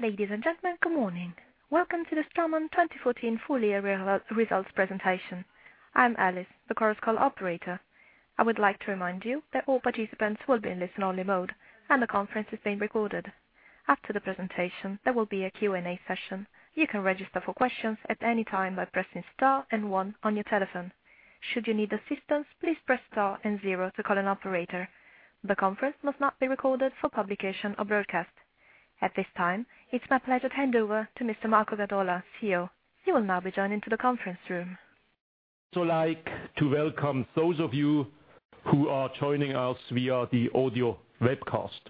Ladies and gentlemen, good morning. Welcome to the Straumann 2014 full-year results presentation. I'm Alice, the conference call operator. I would like to remind you that all participants will be in listen-only mode, and the conference is being recorded. After the presentation, there will be a Q&A session. You can register for questions at any time by pressing star and one on your telephone. Should you need assistance, please press star and zero to call an operator. The conference must not be recorded for publication or broadcast. At this time, it's my pleasure to hand over to Mr. Marco Gadola, CEO. You will now be joined into the conference room. Also like to welcome those of you who are joining us via the audio webcast.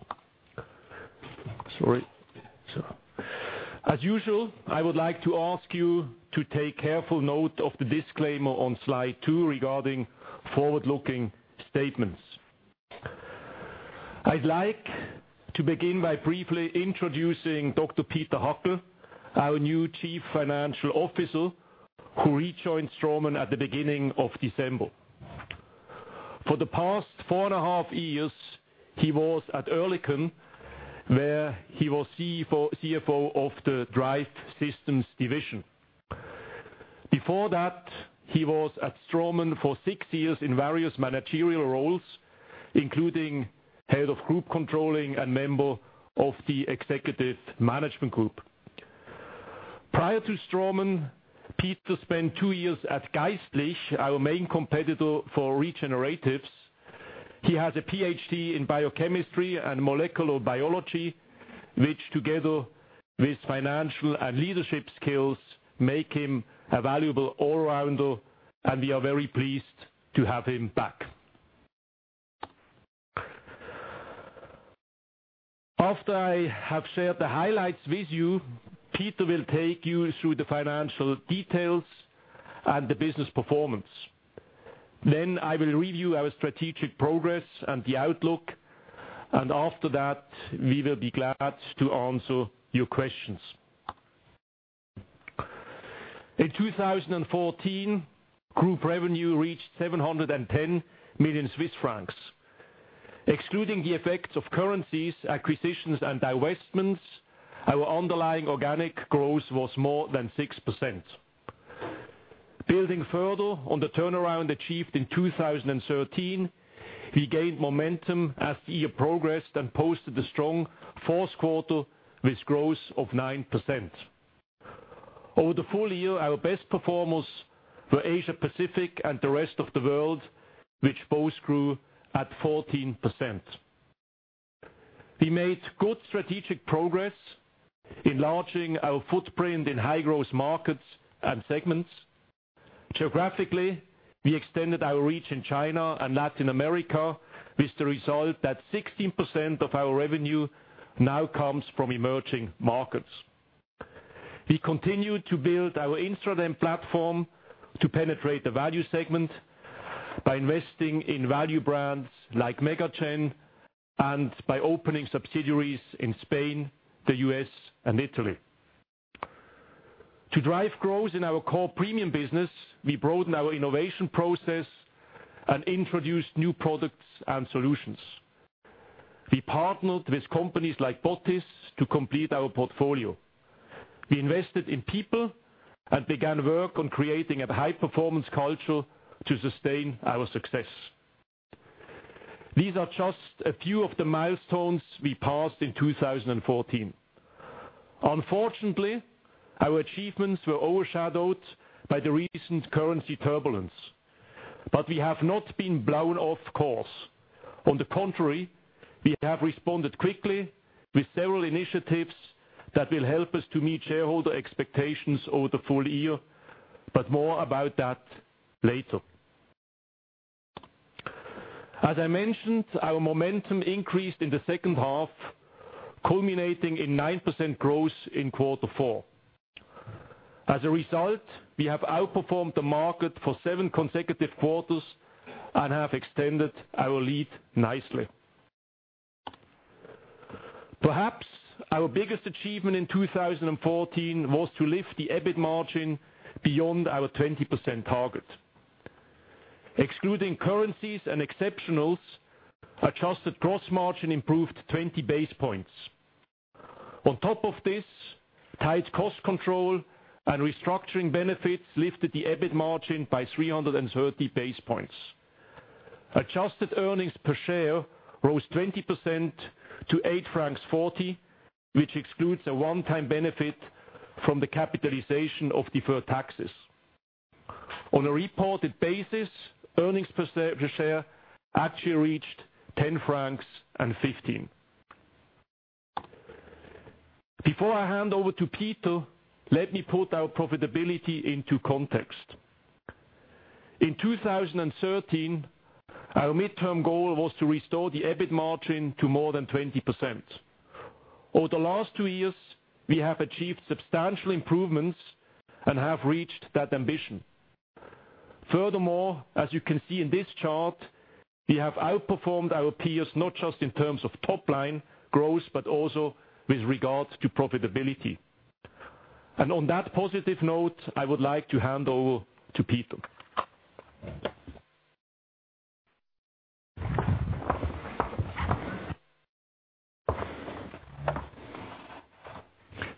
Sorry. As usual, I would like to ask you to take careful note of the disclaimer on slide two regarding forward-looking statements. I'd like to begin by briefly introducing Dr. Peter Hackel, our new Chief Financial Officer, who re-joined Straumann at the beginning of December. For the past four and a half years, he was at Oerlikon, where he was CFO of the Drive Systems division. Before that, he was at Straumann for six years in various managerial roles, including head of group controlling and member of the executive management group. Prior to Straumann, Peter spent two years at Geistlich, our main competitor for regeneratives. He has a PhD in biochemistry and molecular biology, which together with financial and leadership skills, make him a valuable all-rounder, and we are very pleased to have him back. After I have shared the highlights with you, Peter will take you through the financial details and the business performance. I will review our strategic progress and the outlook, and after that, we will be glad to answer your questions. In 2014, group revenue reached 710 million Swiss francs. Excluding the effects of currencies, acquisitions, and divestments, our underlying organic growth was more than 6%. Building further on the turnaround achieved in 2013, we gained momentum as the year progressed and posted a strong fourth quarter with growth of 9%. Over the full year, our best performers were Asia Pacific and the rest of the world, which both grew at 14%. We made good strategic progress enlarging our footprint in growth markets and segments. Geographically, we extended our reach in China and Latin America with the result that 16% of our revenue now comes from emerging markets. We continued to build our instrument platform to penetrate the value segment by investing in value brands like MegaGen and by opening subsidiaries in Spain, the U.S., and Italy. To drive growth in our core premium business, we broadened our innovation process and introduced new products and solutions. We partnered with companies like Dentsply to complete our portfolio. We invested in people and began work on creating a high-performance culture to sustain our success. These are just a few of the milestones we passed in 2014. Unfortunately, our achievements were overshadowed by the recent currency turbulence. We have not been blown off course. On the contrary, we have responded quickly with several initiatives that will help us to meet shareholder expectations over the full year. More about that later. As I mentioned, our momentum increased in the second half, culminating in 9% growth in quarter four. As a result, we have outperformed the market for seven consecutive quarters and have extended our lead nicely. Perhaps our biggest achievement in 2014 was to lift the EBIT margin beyond our 20% target. Excluding currencies and exceptionals, adjusted gross margin improved 20 basis points. On top of this, tight cost control and restructuring benefits lifted the EBIT margin by 330 basis points. Adjusted earnings per share rose 20% to 8.40 francs, which excludes a one-time benefit from the capitalization of deferred taxes. On a reported basis, earnings per share actually reached 10.15 francs. Before I hand over to Peter, let me put our profitability into context. In 2013, our midterm goal was to restore the EBIT margin to more than 20%. Over the last two years, we have achieved substantial improvements and have reached that ambition. As you can see in this chart, we have outperformed our peers not just in terms of top-line growth, but also with regards to profitability. On that positive note, I would like to hand over to Peter.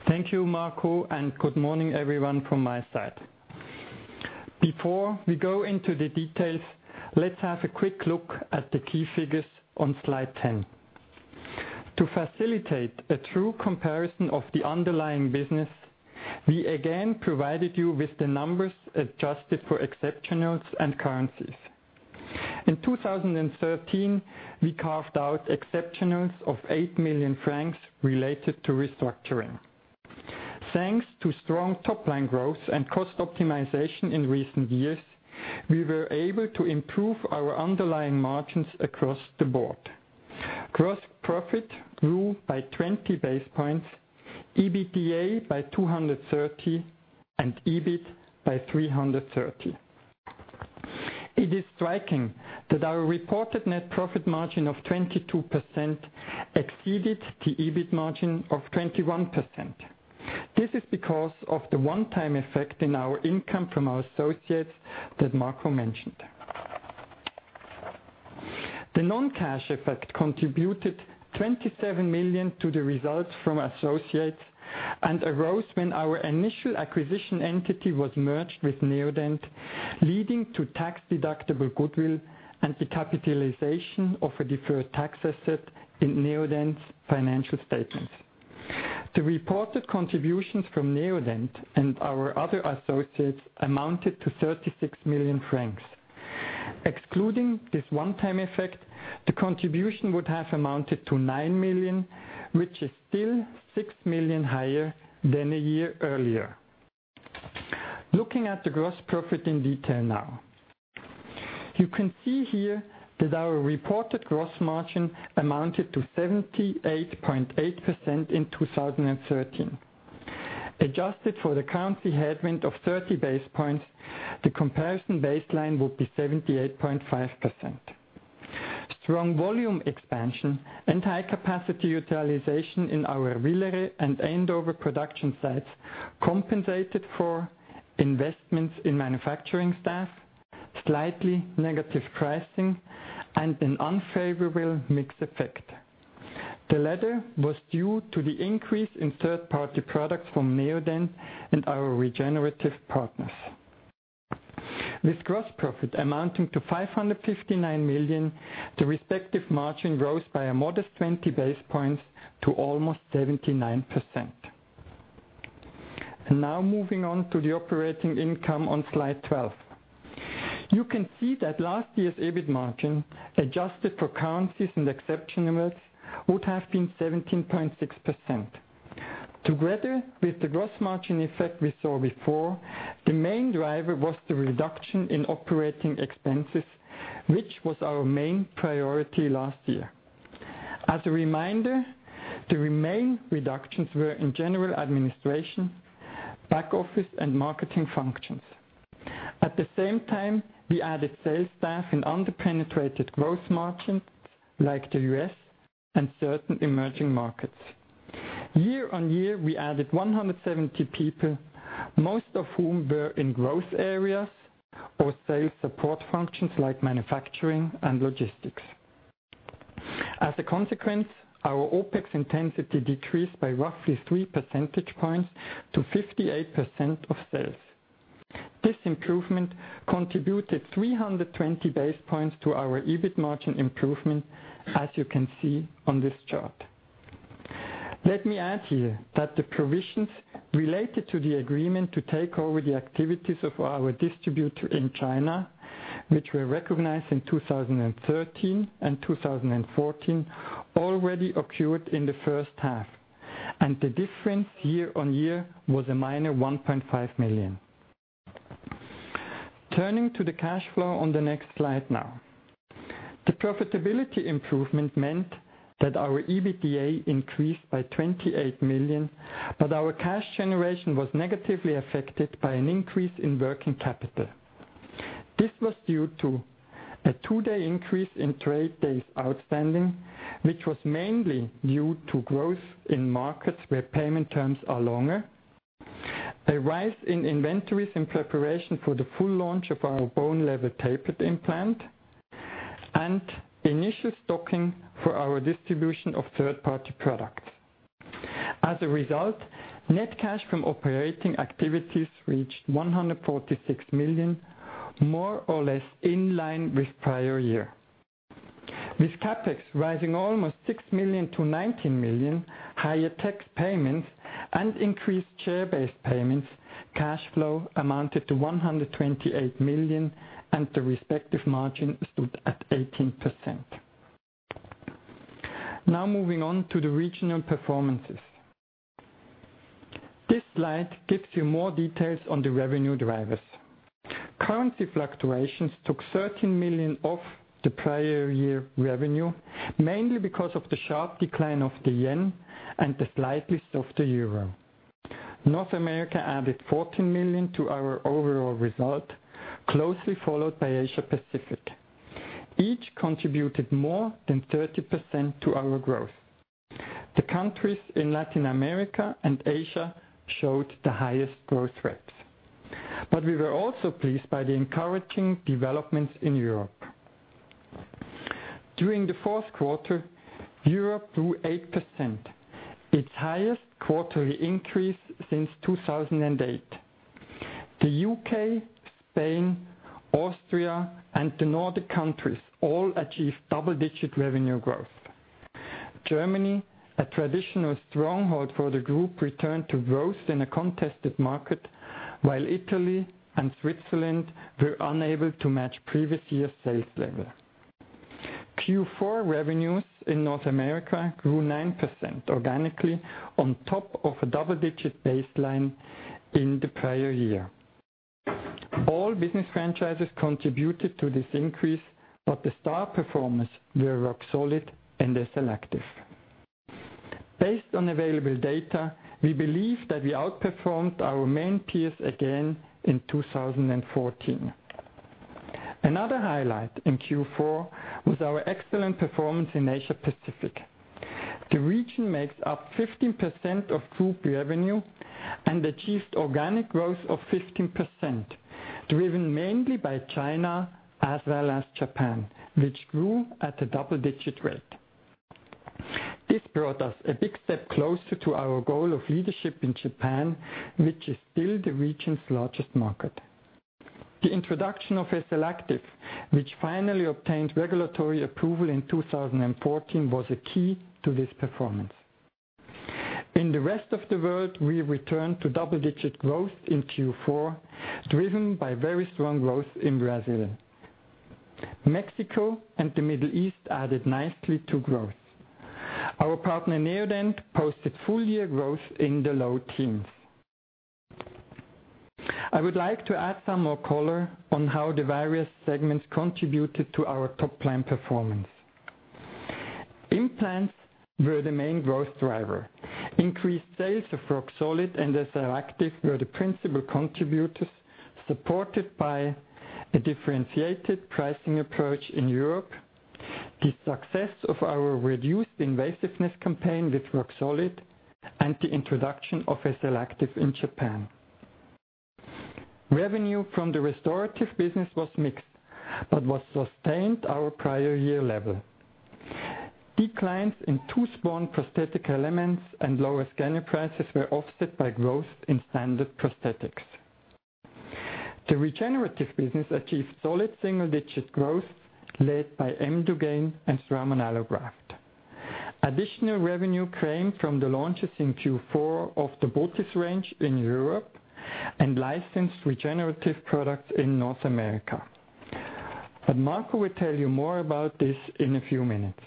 Thank you, Marco, good morning everyone from my side. Before we go into the details, let's have a quick look at the key figures on slide 10. To facilitate a true comparison of the underlying business, we again provided you with the numbers adjusted for exceptionals and currencies. In 2013, we carved out exceptionals of 8 million francs related to restructuring. Thanks to strong top-line growth and cost optimization in recent years, we were able to improve our underlying margins across the board. Gross profit grew by 20 basis points, EBITDA by 230 basis points, and EBIT by 330 basis points. It is striking that our reported net profit margin of 22% exceeded the EBIT margin of 21%. This is because of the one-time effect in our income from our associates that Marco mentioned. The non-cash effect contributed 27 million to the results from associates and arose when our initial acquisition entity was merged with Neodent, leading to tax-deductible goodwill and the capitalization of a deferred tax asset in Neodent's financial statements. The reported contributions from Neodent and our other associates amounted to 36 million francs. Excluding this one-time effect, the contribution would have amounted to 9 million, which is still 6 million higher than a year earlier. Looking at the gross profit in detail now. You can see here that our reported gross margin amounted to 78.8% in 2013. Adjusted for the currency headwind of 30 basis points, the comparison baseline would be 78.5%. Strong volume expansion and high capacity utilization in our Villeret and Andover production sites compensated for investments in manufacturing staff, slightly negative pricing, and an unfavorable mix effect. The latter was due to the increase in third-party products from Neodent and our regenerative partners. With gross profit amounting to 559 million, the respective margin rose by a modest 20 basis points to almost 79%. Now moving on to the operating income on slide 12. You can see that last year's EBIT margin, adjusted for currencies and exceptionals, would have been 17.6%. Together with the gross margin effect we saw before, the main driver was the reduction in operating expenses, which was our main priority last year. As a reminder, the main reductions were in general administration, back office, and marketing functions. At the same time, we added sales staff in under-penetrated growth margins, like the U.S. and certain emerging markets. Year-on-year, we added 170 people, most of whom were in growth areas or sales support functions like manufacturing and logistics. As a consequence, our OPEX intensity decreased by roughly three percentage points to 58% of sales. This improvement contributed 320 basis points to our EBIT margin improvement, as you can see on this chart. Let me add here that the provisions related to the agreement to take over the activities of our distributor in China, which were recognized in 2013 and 2014, already occurred in the first half, and the difference year-on-year was a minor 1.5 million. Turning to the cash flow on the next slide now. The profitability improvement meant that our EBITDA increased by 28 million, our cash generation was negatively affected by an increase in working capital. This was due to a two-day increase in trade days outstanding, which was mainly due to growth in markets where payment terms are longer, a rise in inventories in preparation for the full launch of our Bone Level Tapered implant, and initial stocking for our distribution of third-party products. As a result, net cash from operating activities reached 146 million, more or less in line with prior year. With CapEx rising almost 6 million to 19 million, higher tax payments, and increased share-based payments, cash flow amounted to 128 million, and the respective margin stood at 18%. Now moving on to the regional performances. This slide gives you more details on the revenue drivers. Currency fluctuations took 13 million off the prior year revenue, mainly because of the sharp decline of the JPY and the slight lift of the EUR. North America added 14 million to our overall result, closely followed by Asia Pacific. Each contributed more than 30% to our growth. The countries in Latin America and Asia showed the highest growth rates. We were also pleased by the encouraging developments in Europe. During the fourth quarter, Europe grew 8%, its highest quarterly increase since 2008. The U.K., Spain, Austria, and the Nordic countries all achieved double-digit revenue growth. Germany, a traditional stronghold for the group, returned to growth in a contested market, while Italy and Switzerland were unable to match previous year's sales level. Q4 revenues in North America grew 9% organically on top of a double-digit baseline in the prior year. All business franchises contributed to this increase, but the star performers were Roxolid and SLActive. Based on available data, we believe that we outperformed our main peers again in 2014. Another highlight in Q4 was our excellent performance in Asia Pacific. The region makes up 15% of group revenue and achieved organic growth of 15%, driven mainly by China as well as Japan, which grew at a double-digit rate. This brought us a big step closer to our goal of leadership in Japan, which is still the region's largest market. The introduction of SLActive, which finally obtained regulatory approval in 2014, was a key to this performance. In the rest of the world, we returned to double-digit growth in Q4, driven by very strong growth in Brazil. Mexico and the Middle East added nicely to growth. Our partner, Neodent, posted full-year growth in the low teens. I would like to add some more color on how the various segments contributed to our top-line performance. Implants were the main growth driver. Increased sales of Roxolid and SLActive were the principal contributors, supported by a differentiated pricing approach in Europe, the success of our reduced invasiveness campaign with Roxolid, and the introduction of SLActive in Japan. Revenue from the restorative business was mixed but sustained our prior year level. Declines in tooth-borne prosthetic elements and lower scanner prices were offset by growth in standard prosthetics. The regenerative business achieved solid single-digit growth led by Emdogain and Straumann AlloGraft. Additional revenue came from the launches in Q4 of the botiss range in Europe and licensed regenerative products in North America. Marco will tell you more about this in a few minutes.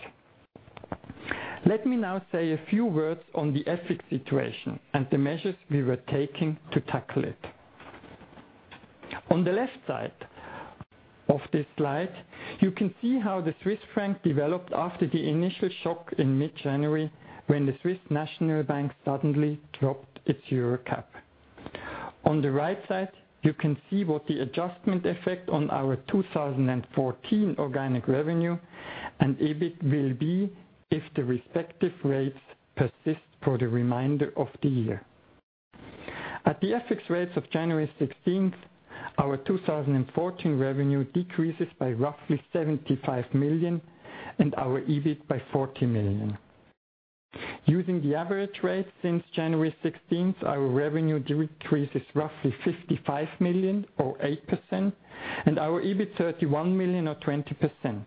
Let me now say a few words on the FX situation and the measures we were taking to tackle it. On the left side of this slide, you can see how the Swiss franc developed after the initial shock in mid-January when the Swiss National Bank suddenly dropped its EUR cap. On the right side, you can see what the adjustment effect on our 2014 organic revenue and EBIT will be if the respective rates persist for the remainder of the year. At the FX rates of January 16th, our 2014 revenue decreases by roughly 75 million and our EBIT by 40 million. Using the average rate since January 16th, our revenue decreases roughly 55 million or 8%, and our EBIT 31 million or 20%.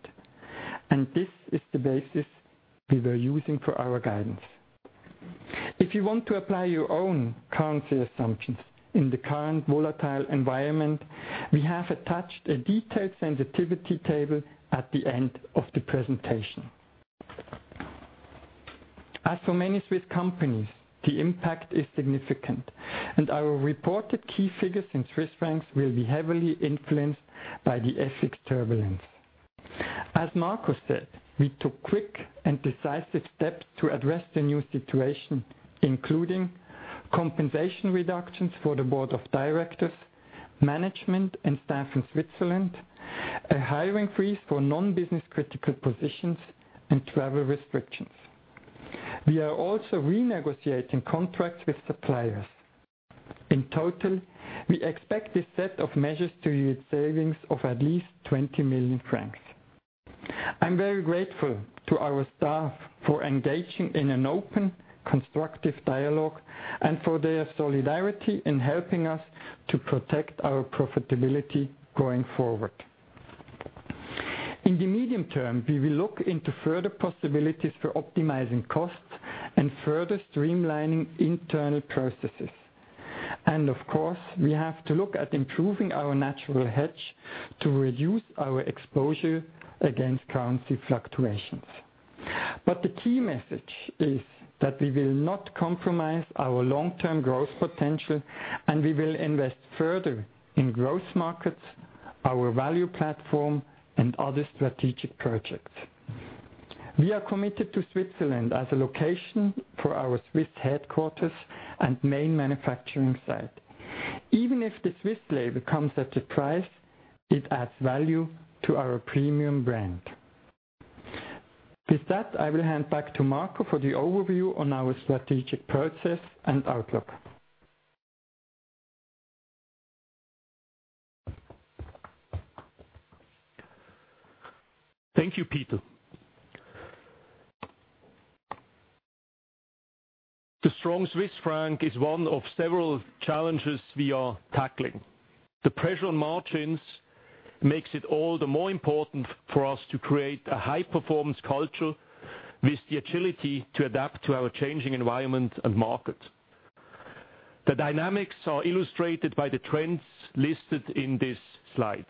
This is the basis we were using for our guidance. If you want to apply your own currency assumptions in the current volatile environment, we have attached a detailed sensitivity table at the end of the presentation. As for many Swiss companies, the impact is significant, and our reported key figures in Swiss francs will be heavily influenced by the FX turbulence. As Marco said, we took quick and decisive steps to address the new situation, including compensation reductions for the board of directors, management, and staff in Switzerland, a hiring freeze for non-business-critical positions, and travel restrictions. We are also renegotiating contracts with suppliers. In total, we expect this set of measures to yield savings of at least 20 million francs. I'm very grateful to our staff for engaging in an open, constructive dialogue and for their solidarity in helping us to protect our profitability going forward. In the medium term, we will look into further possibilities for optimizing costs and further streamlining internal processes. Of course, we have to look at improving our natural hedge to reduce our exposure against currency fluctuations. The key message is that we will not compromise our long-term growth potential, and we will invest further in growth markets, our value platform, and other strategic projects. We are committed to Switzerland as a location for our Swiss headquarters and main manufacturing site. Even if the Swiss label comes at a price, it adds value to our premium brand. With that, I will hand back to Marco for the overview on our strategic process and outlook. Thank you, Peter. The strong Swiss franc is one of several challenges we are tackling. The pressure on margins makes it all the more important for us to create a high-performance culture with the agility to adapt to our changing environment and market. The dynamics are illustrated by the trends listed in this slide.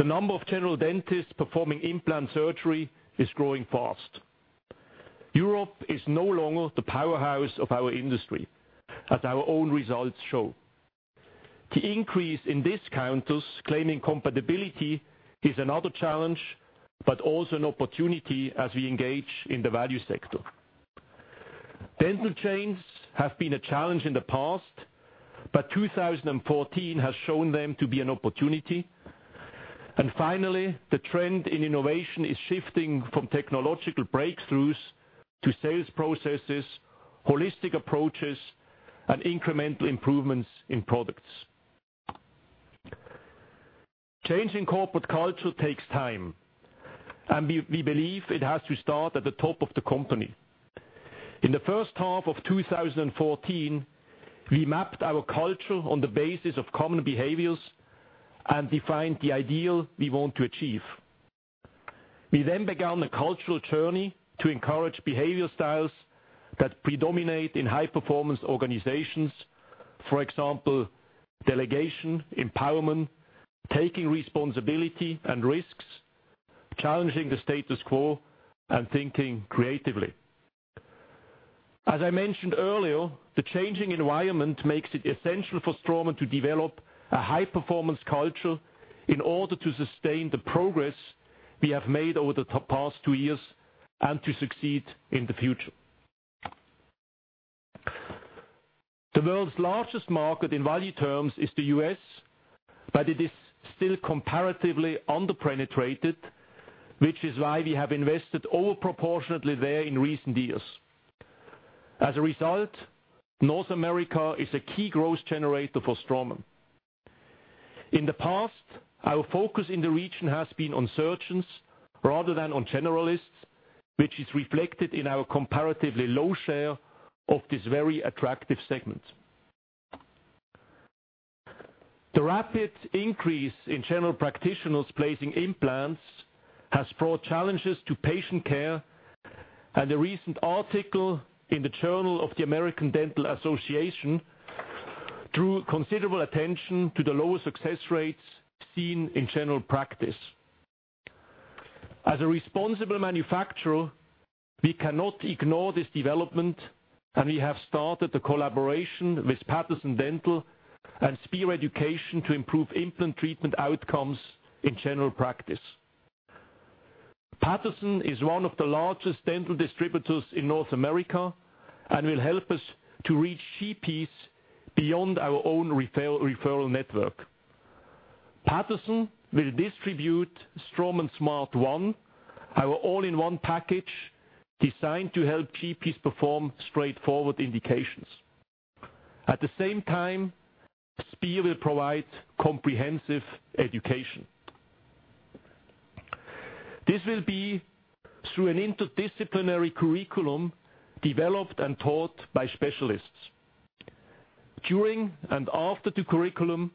The number of general dentists performing implant surgery is growing fast. Europe is no longer the powerhouse of our industry, as our own results show. The increase in discounters claiming compatibility is another challenge, but also an opportunity as we engage in the value sector. Dental chains have been a challenge in the past, but 2014 has shown them to be an opportunity. Finally, the trend in innovation is shifting from technological breakthroughs to sales processes, holistic approaches, and incremental improvements in products. Changing corporate culture takes time, and we believe it has to start at the top of the company. In the first half of 2014, we mapped our culture on the basis of common behaviors and defined the ideal we want to achieve. We then began the cultural journey to encourage behavior styles that predominate in high-performance organizations. For example, delegation, empowerment, taking responsibility and risks, challenging the status quo, and thinking creatively. As I mentioned earlier, the changing environment makes it essential for Straumann to develop a high-performance culture in order to sustain the progress we have made over the past two years and to succeed in the future. The world's largest market in value terms is the U.S., but it is still comparatively under-penetrated, which is why we have invested over-proportionately there in recent years. As a result, North America is a key growth generator for Straumann. In the past, our focus in the region has been on surgeons rather than on generalists, which is reflected in our comparatively low share of this very attractive segment. The rapid increase in general practitioners placing implants has brought challenges to patient care, and a recent article in The Journal of the American Dental Association drew considerable attention to the lower success rates seen in general practice. As a responsible manufacturer, we cannot ignore this development, and we have started the collaboration with Patterson Dental and Spear Education to improve implant treatment outcomes in general practice. Patterson is one of the largest dental distributors in North America and will help us to reach GPs beyond our own referral network. Patterson will distribute Straumann Smart 1, our all-in-one package designed to help GPs perform straightforward indications. At the same time, Spear will provide comprehensive education. This will be through an interdisciplinary curriculum developed and taught by specialists. During and after the curriculum,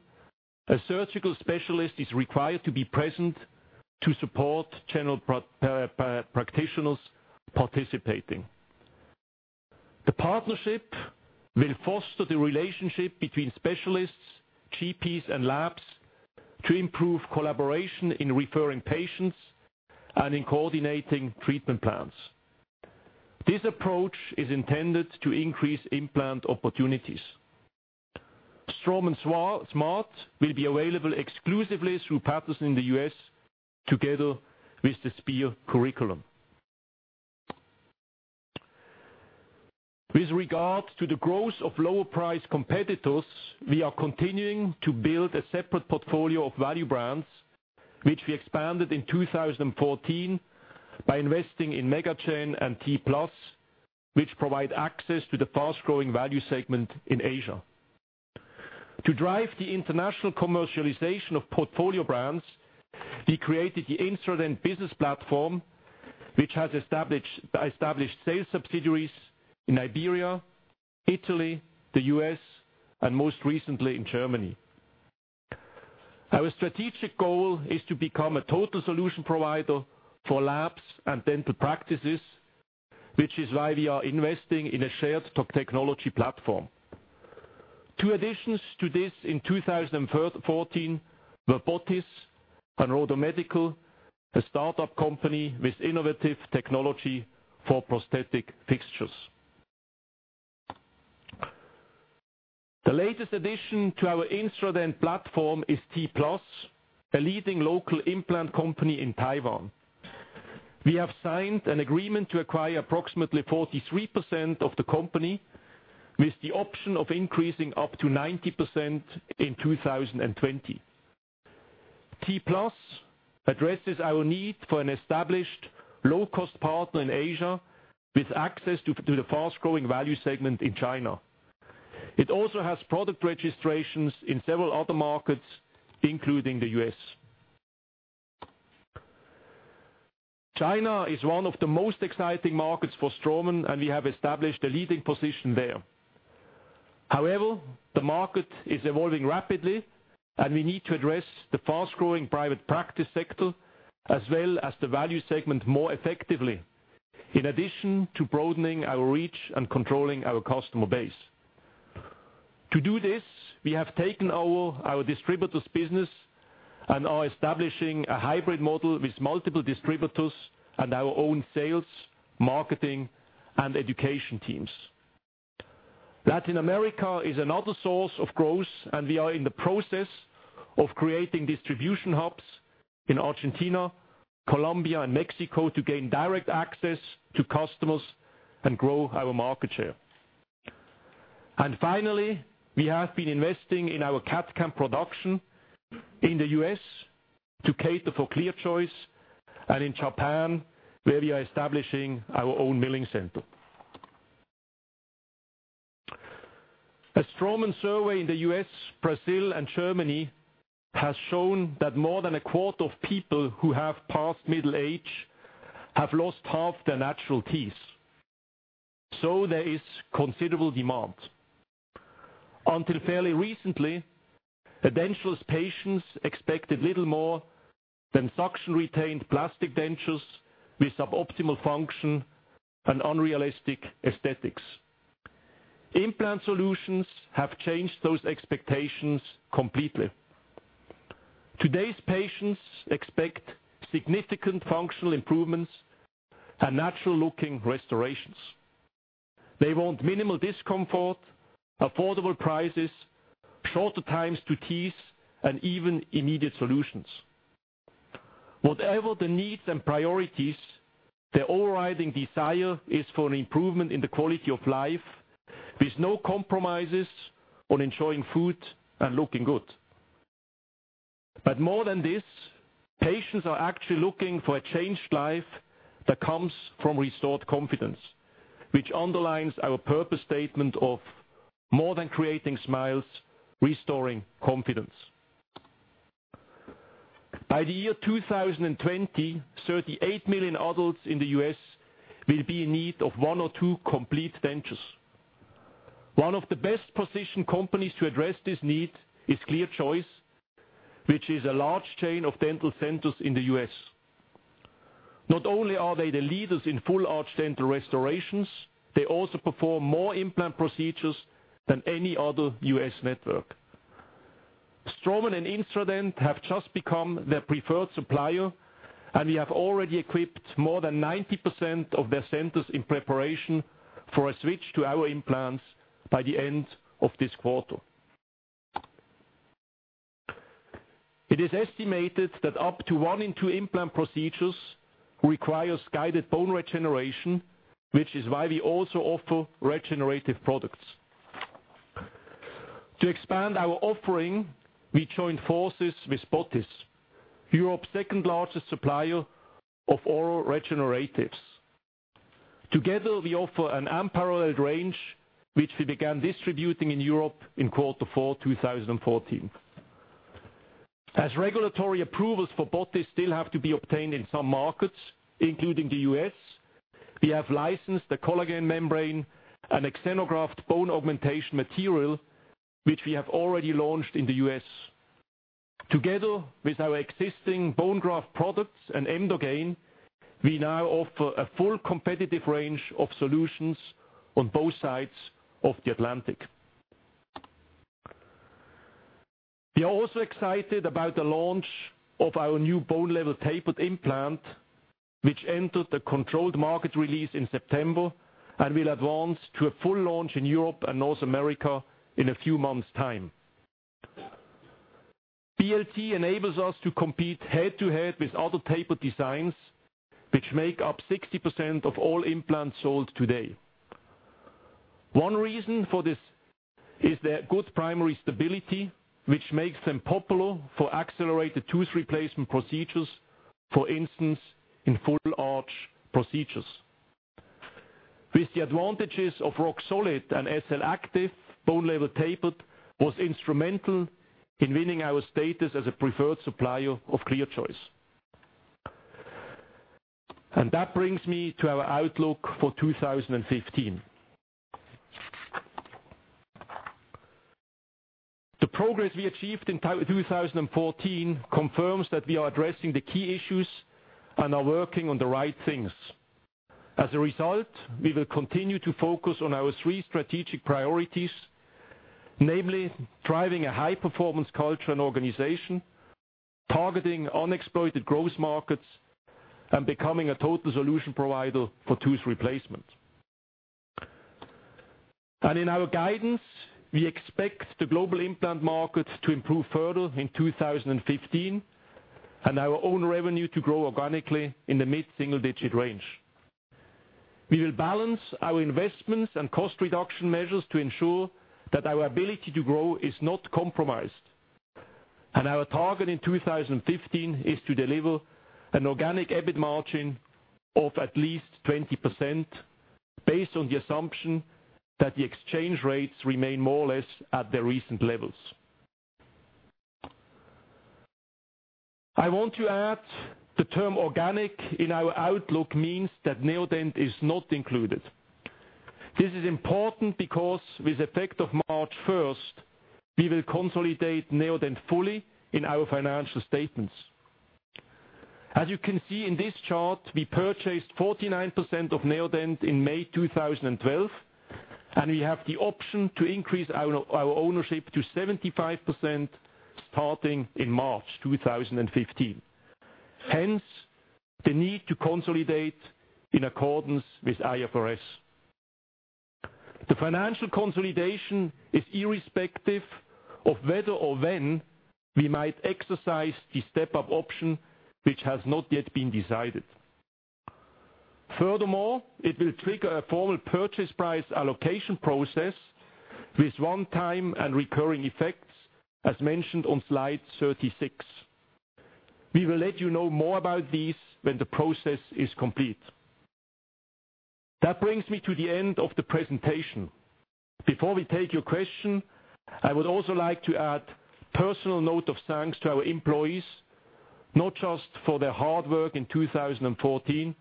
a surgical specialist is required to be present to support general practitioners participating. The partnership will foster the relationship between specialists, GPs, and labs to improve collaboration in referring patients and in coordinating treatment plans. This approach is intended to increase implant opportunities. Straumann Smart will be available exclusively through Patterson in the U.S., together with the Spear curriculum. With regard to the growth of lower-priced competitors, we are continuing to build a separate portfolio of value brands, which we expanded in 2014 by investing in MegaGen and T-Plus, which provide access to the fast-growing value segment in Asia. To drive the international commercialization of portfolio brands, we created the Instradent business platform, which has established sales subsidiaries in Iberia, Italy, the U.S., and most recently in Germany. Our strategic goal is to become a total solution provider for labs and dental practices, which is why we are investing in a shared technology platform. Two additions to this in 2014 were botiss and RODO Medical, a start-up company with innovative technology for prosthetic fixtures. The latest addition to our Instradent platform is T-Plus, a leading local implant company in Taiwan. We have signed an agreement to acquire approximately 43% of the company, with the option of increasing up to 90% in 2020. T-Plus addresses our need for an established, low-cost partner in Asia with access to the fast-growing value segment in China. It also has product registrations in several other markets, including the U.S. China is one of the most exciting markets for Straumann, and we have established a leading position there. The market is evolving rapidly, and we need to address the fast-growing private practice sector, as well as the value segment more effectively, in addition to broadening our reach and controlling our customer base. To do this, we have taken over our distributors' business and are establishing a hybrid model with multiple distributors and our own sales, marketing, and education teams. Latin America is another source of growth, and we are in the process of creating distribution hubs in Argentina, Colombia, and Mexico to gain direct access to customers and grow our market share. Finally, we have been investing in our CAD/CAM production in the U.S. to cater for ClearChoice, and in Japan, where we are establishing our own milling center. A Straumann survey in the U.S., Brazil, and Germany has shown that more than a quarter of people who have passed middle age have lost half their natural teeth. There is considerable demand. Until fairly recently, edentulous patients expected little more than suction-retained plastic dentures with suboptimal function and unrealistic aesthetics. Implant solutions have changed those expectations completely. Today's patients expect significant functional improvements and natural-looking restorations. They want minimal discomfort, affordable prices, shorter times to teeth, and even immediate solutions. Whatever the needs and priorities, the overriding desire is for an improvement in the quality of life, with no compromises on enjoying food and looking good. More than this, patients are actually looking for a changed life that comes from restored confidence, which underlines our purpose statement of more than creating smiles, restoring confidence. By the year 2020, 38 million adults in the U.S. will be in need of one or two complete dentures. One of the best-positioned companies to address this need is ClearChoice, which is a large chain of dental centers in the U.S. Not only are they the leaders in full-arch dental restorations, they also perform more implant procedures than any other U.S. network. Straumann and Instradent have just become their preferred supplier. We have already equipped more than 90% of their centers in preparation for a switch to our implants by the end of this quarter. It is estimated that up to one in two implant procedures requires guided bone regeneration, which is why we also offer regenerative products. To expand our offering, we joined forces with botiss, Europe's second-largest supplier of oral regeneratives. Together, we offer an unparalleled range, which we began distributing in Europe in quarter four 2014. As regulatory approvals for botiss still have to be obtained in some markets, including the U.S., we have licensed the collagen membrane and xenograft bone augmentation material, which we have already launched in the U.S. Together with our existing bone graft products and Emdogain, we now offer a full competitive range of solutions on both sides of the Atlantic. We are also excited about the launch of our new Bone Level Tapered implant, which entered the controlled market release in September and will advance to a full launch in Europe and North America in a few months' time. BLT enables us to compete head-to-head with other tapered designs, which make up 60% of all implants sold today. One reason for this is their good primary stability, which makes them popular for accelerated tooth replacement procedures, for instance, in full-arch procedures. With the advantages of Roxolid and SLActive, Bone Level Tapered was instrumental in winning our status as a preferred supplier of ClearChoice. That brings me to our outlook for 2015. The progress we achieved in 2014 confirms that we are addressing the key issues and are working on the right things. As a result, we will continue to focus on our three strategic priorities, namely driving a high-performance culture and organization, targeting unexploited growth markets, and becoming a total solution provider for tooth replacement. In our guidance, we expect the global implant market to improve further in 2015, and our own revenue to grow organically in the mid-single-digit range. We will balance our investments and cost reduction measures to ensure that our ability to grow is not compromised. Our target in 2015 is to deliver an organic EBIT margin of at least 20%, based on the assumption that the exchange rates remain more or less at the recent levels. I want to add the term organic in our outlook means that Neodent is not included. This is important because with effect of March 1st, we will consolidate Neodent fully in our financial statements. As you can see in this chart, we purchased 49% of Neodent in May 2012, and we have the option to increase our ownership to 75% starting in March 2015. Hence, the need to consolidate in accordance with IFRS. The financial consolidation is irrespective of whether or when we might exercise the step-up option, which has not yet been decided. Furthermore, it will trigger a formal purchase price allocation process with one-time and recurring effects, as mentioned on slide 36. We will let you know more about these when the process is complete. That brings me to the end of the presentation. Before we take your question, I would also like to add a personal note of thanks to our employees, not just for their hard work in 2014,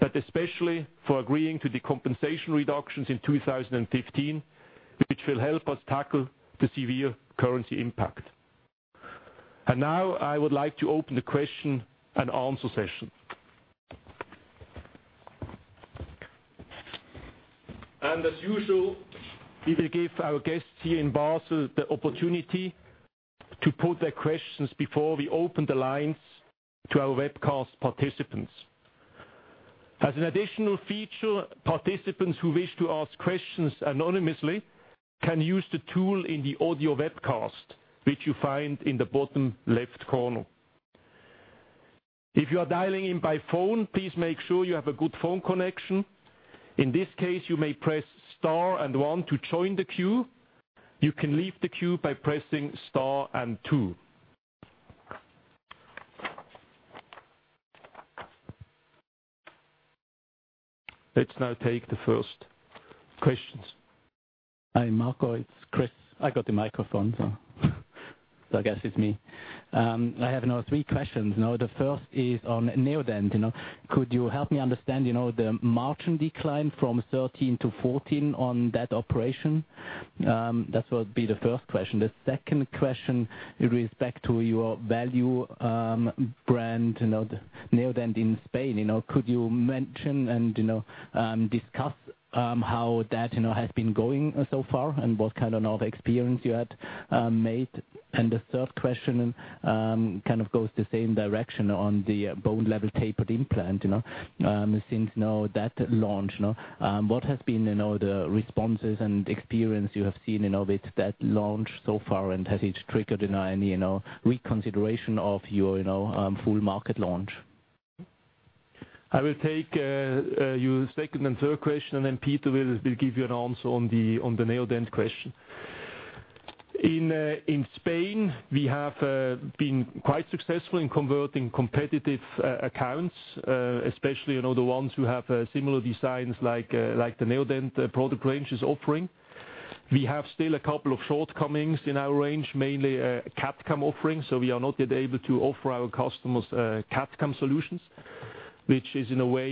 but especially for agreeing to the compensation reductions in 2015, which will help us tackle the severe currency impact. I would like to open the question-and-answer session. As usual, we will give our guests here in Basel the opportunity to put their questions before we open the lines to our webcast participants. As an additional feature, participants who wish to ask questions anonymously can use the tool in the audio webcast, which you find in the bottom left corner. If you are dialing in by phone, please make sure you have a good phone connection. In this case, you may press star and one to join the queue. You can leave the queue by pressing star and two. Let's now take the first questions. Hi, Marco, it's Chris. I got the microphone, so I guess it's me. I have now three questions. The first is on Neodent. Could you help me understand the margin decline from 2013 to 2014 on that operation? That would be the first question. The second question with respect to your value brand, Neodent in Spain. Could you mention and discuss how that has been going so far and what kind of experience you had made? The third question kind of goes the same direction on the Bone Level Tapered implant. Since now that launch, what has been the responses and experience you have seen with that launch so far? Has it triggered any reconsideration of your full market launch? I will take your second and third question, and then Peter will give you an answer on the Neodent question. In Spain, we have been quite successful in converting competitive accounts, especially the ones who have similar designs like the Neodent product range is offering. We have still a couple of shortcomings in our range, mainly a CAD/CAM offering, so we are not yet able to offer our customers CAD/CAM solutions, which is in a way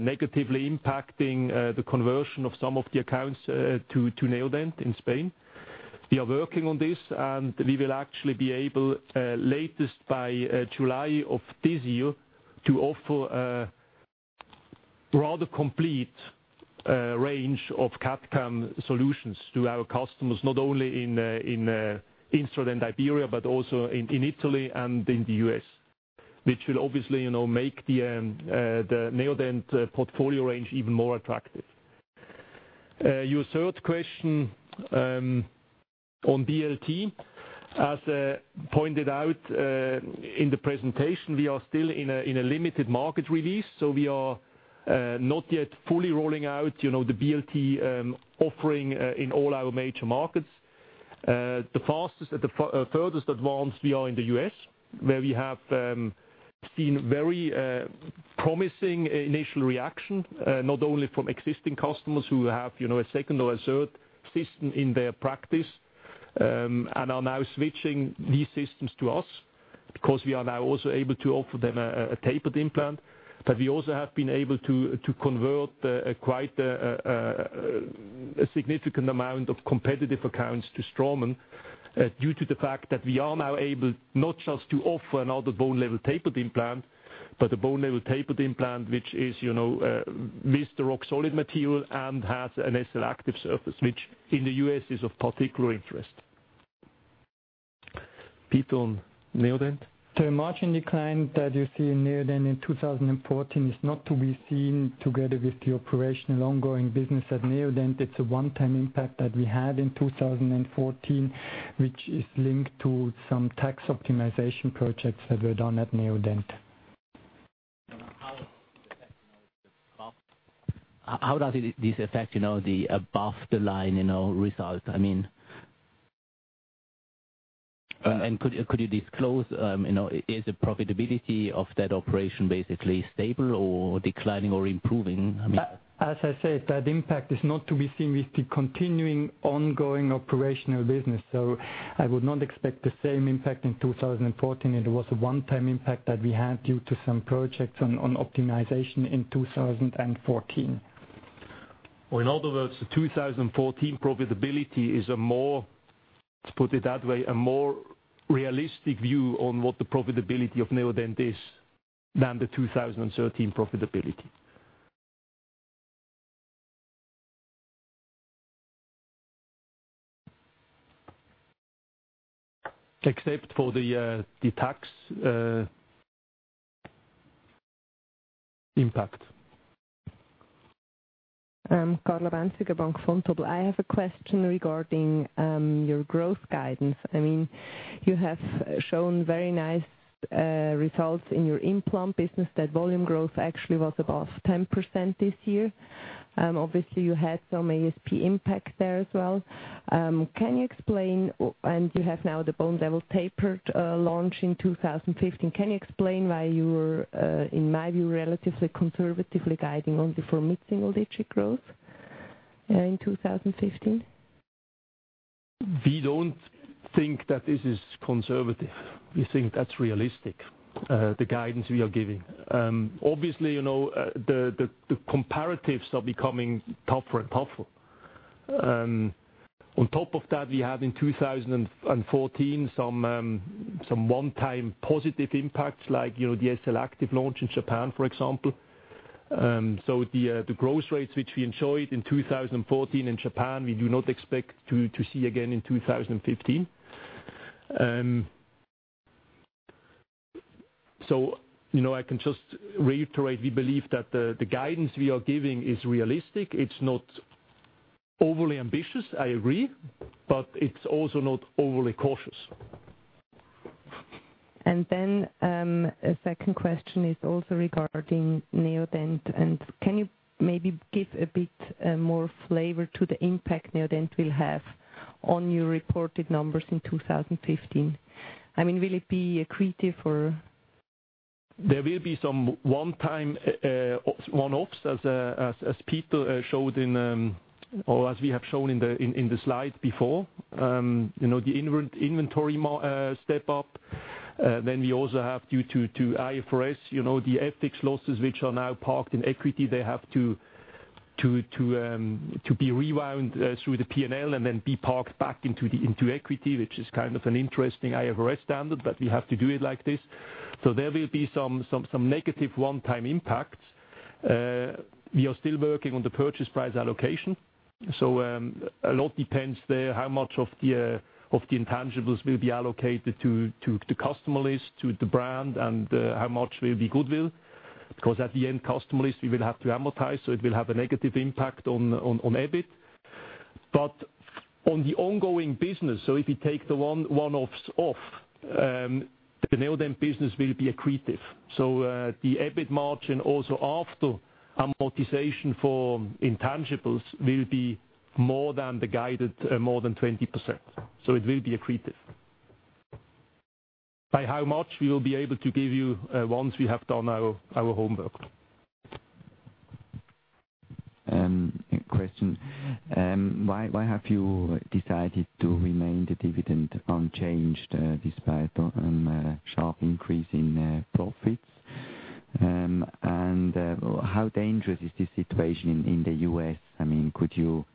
negatively impacting the conversion of some of the accounts to Neodent in Spain. We are working on this, and we will actually be able, latest by July of this year, to offer a rather complete range of CAD/CAM solutions to our customers, not only in Israel and Iberia, but also in Italy and in the U.S., which will obviously make the Neodent portfolio range even more attractive. Your third question on BLT. As pointed out in the presentation, we are still in a limited market release. We are not yet fully rolling out the BLT offering in all our major markets. The furthest advanced we are in the U.S., where we have seen very promising initial reaction, not only from existing customers who have a second or a third system in their practice and are now switching these systems to us, because we are now also able to offer them a tapered implant. We also have been able to convert quite a significant amount of competitive accounts to Straumann due to the fact that we are now able not just to offer another Bone Level Tapered implant, but a Bone Level Tapered implant, which is [its] Roxolid material and has an SLActive surface, which in the U.S. is of particular interest. Peter on Neodent? The margin decline that you see in Neodent in 2014 is not to be seen together with the operational ongoing business at Neodent. It is a one-time impact that we had in 2014, which is linked to some tax optimization projects that were done at Neodent. How does this affect the above the line result? Could you disclose, is the profitability of that operation basically stable or declining or improving? As I said, that impact is not to be seen with the continuing ongoing operational business. I would not expect the same impact in 2014. It was a one-time impact that we had due to some projects on optimization in 2014. In other words, the 2014 profitability is, let's put it that way, a more realistic view on what the profitability of Neodent is than the 2013 profitability. Except for the tax impact. Carla Bänziger, Bank Vontobel. I have a question regarding your growth guidance. You have shown very nice results in your implant business. That volume growth actually was above 10% this year. Obviously, you had some ASP impact there as well. You have now the Bone Level Tapered launch in 2015. Can you explain why you were, in my view, relatively conservatively guiding only for mid-single-digit growth in 2015? We don't think that this is conservative. We think that's realistic, the guidance we are giving. Obviously, the comparatives are becoming tougher and tougher. On top of that, we have in 2014, some one-time positive impacts, like, the SLActive launch in Japan, for example. The growth rates which we enjoyed in 2014 in Japan, we do not expect to see again in 2015. I can just reiterate, we believe that the guidance we are giving is realistic. It's not overly ambitious, I agree, but it's also not overly cautious. Then, a second question is also regarding Neodent, and can you maybe give a bit more flavor to the impact Neodent will have on your reported numbers in 2015? Will it be accretive or There will be some one-offs as Peter showed or as we have shown in the slide before. The inventory step-up, then we also have due to IFRS, the FX losses which are now parked in equity. They have to be rewound through the P&L and then be parked back into equity, which is kind of an interesting IFRS standard, but we have to do it like this. There will be some negative one-time impacts. We are still working on the purchase price allocation. A lot depends there, how much of the intangibles will be allocated to the customer list, to the brand, and how much will be goodwill. Because at the end, customer list, we will have to amortize, so it will have a negative impact on EBIT. On the ongoing business, so if you take the one-offs off, the Neodent business will be accretive. The EBIT margin also after amortization for intangibles will be more than the guided, more than 20%. It will be accretive. By how much we will be able to give you, once we have done our homework. A question. Why have you decided to remain the dividend unchanged, despite a sharp increase in profits? How dangerous is this situation in the U.S.? Could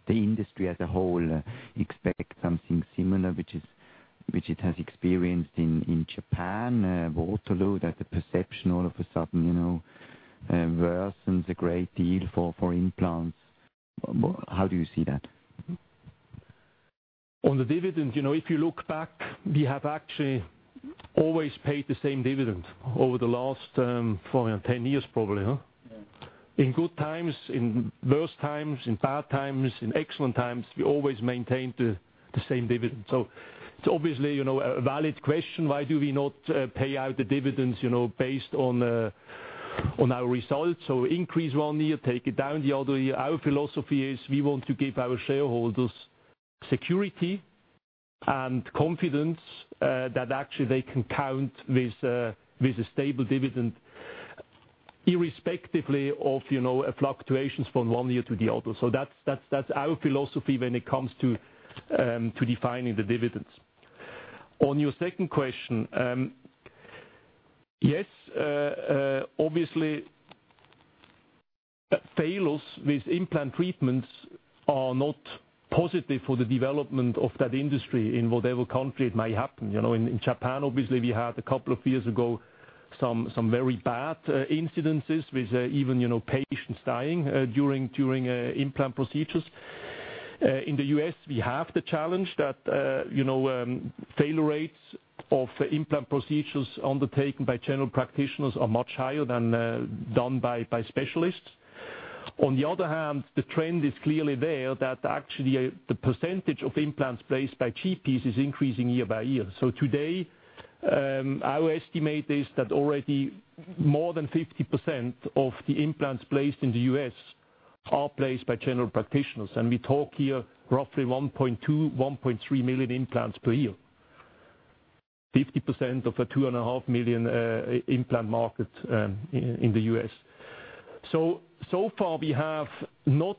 the industry as a whole expect something similar, which it has experienced in Japan, Waterloo, that the perception all of a sudden worsens a great deal for implants? How do you see that? On the dividend, if you look back, we have actually always paid the same dividend over the last 10 years, probably, huh? Yeah. In good times, in worse times, in bad times, in excellent times, we always maintain the same dividend. It's obviously a valid question. Why do we not pay out the dividends based on our results? Increase one year, take it down the other year. Our philosophy is we want to give our shareholders security and confidence that actually they can count with a stable dividend, irrespectively of fluctuations from one year to the other. That's our philosophy when it comes to defining the dividends. On your second question, yes, obviously, failures with implant treatments are not positive for the development of that industry in whatever country it may happen. In Japan, obviously, we had a couple of years ago, some very bad incidences with even patients dying during implant procedures. In the U.S., we have the challenge that failure rates of implant procedures undertaken by general practitioners are much higher than done by specialists. On the other hand, the trend is clearly there that actually, the percentage of implants placed by GPs is increasing year by year. Today, our estimate is that already more than 50% of the implants placed in the U.S. are placed by general practitioners, and we talk here roughly 1.2, 1.3 million implants per year. 50% of a 2.5 million implant market in the U.S. Far, we have not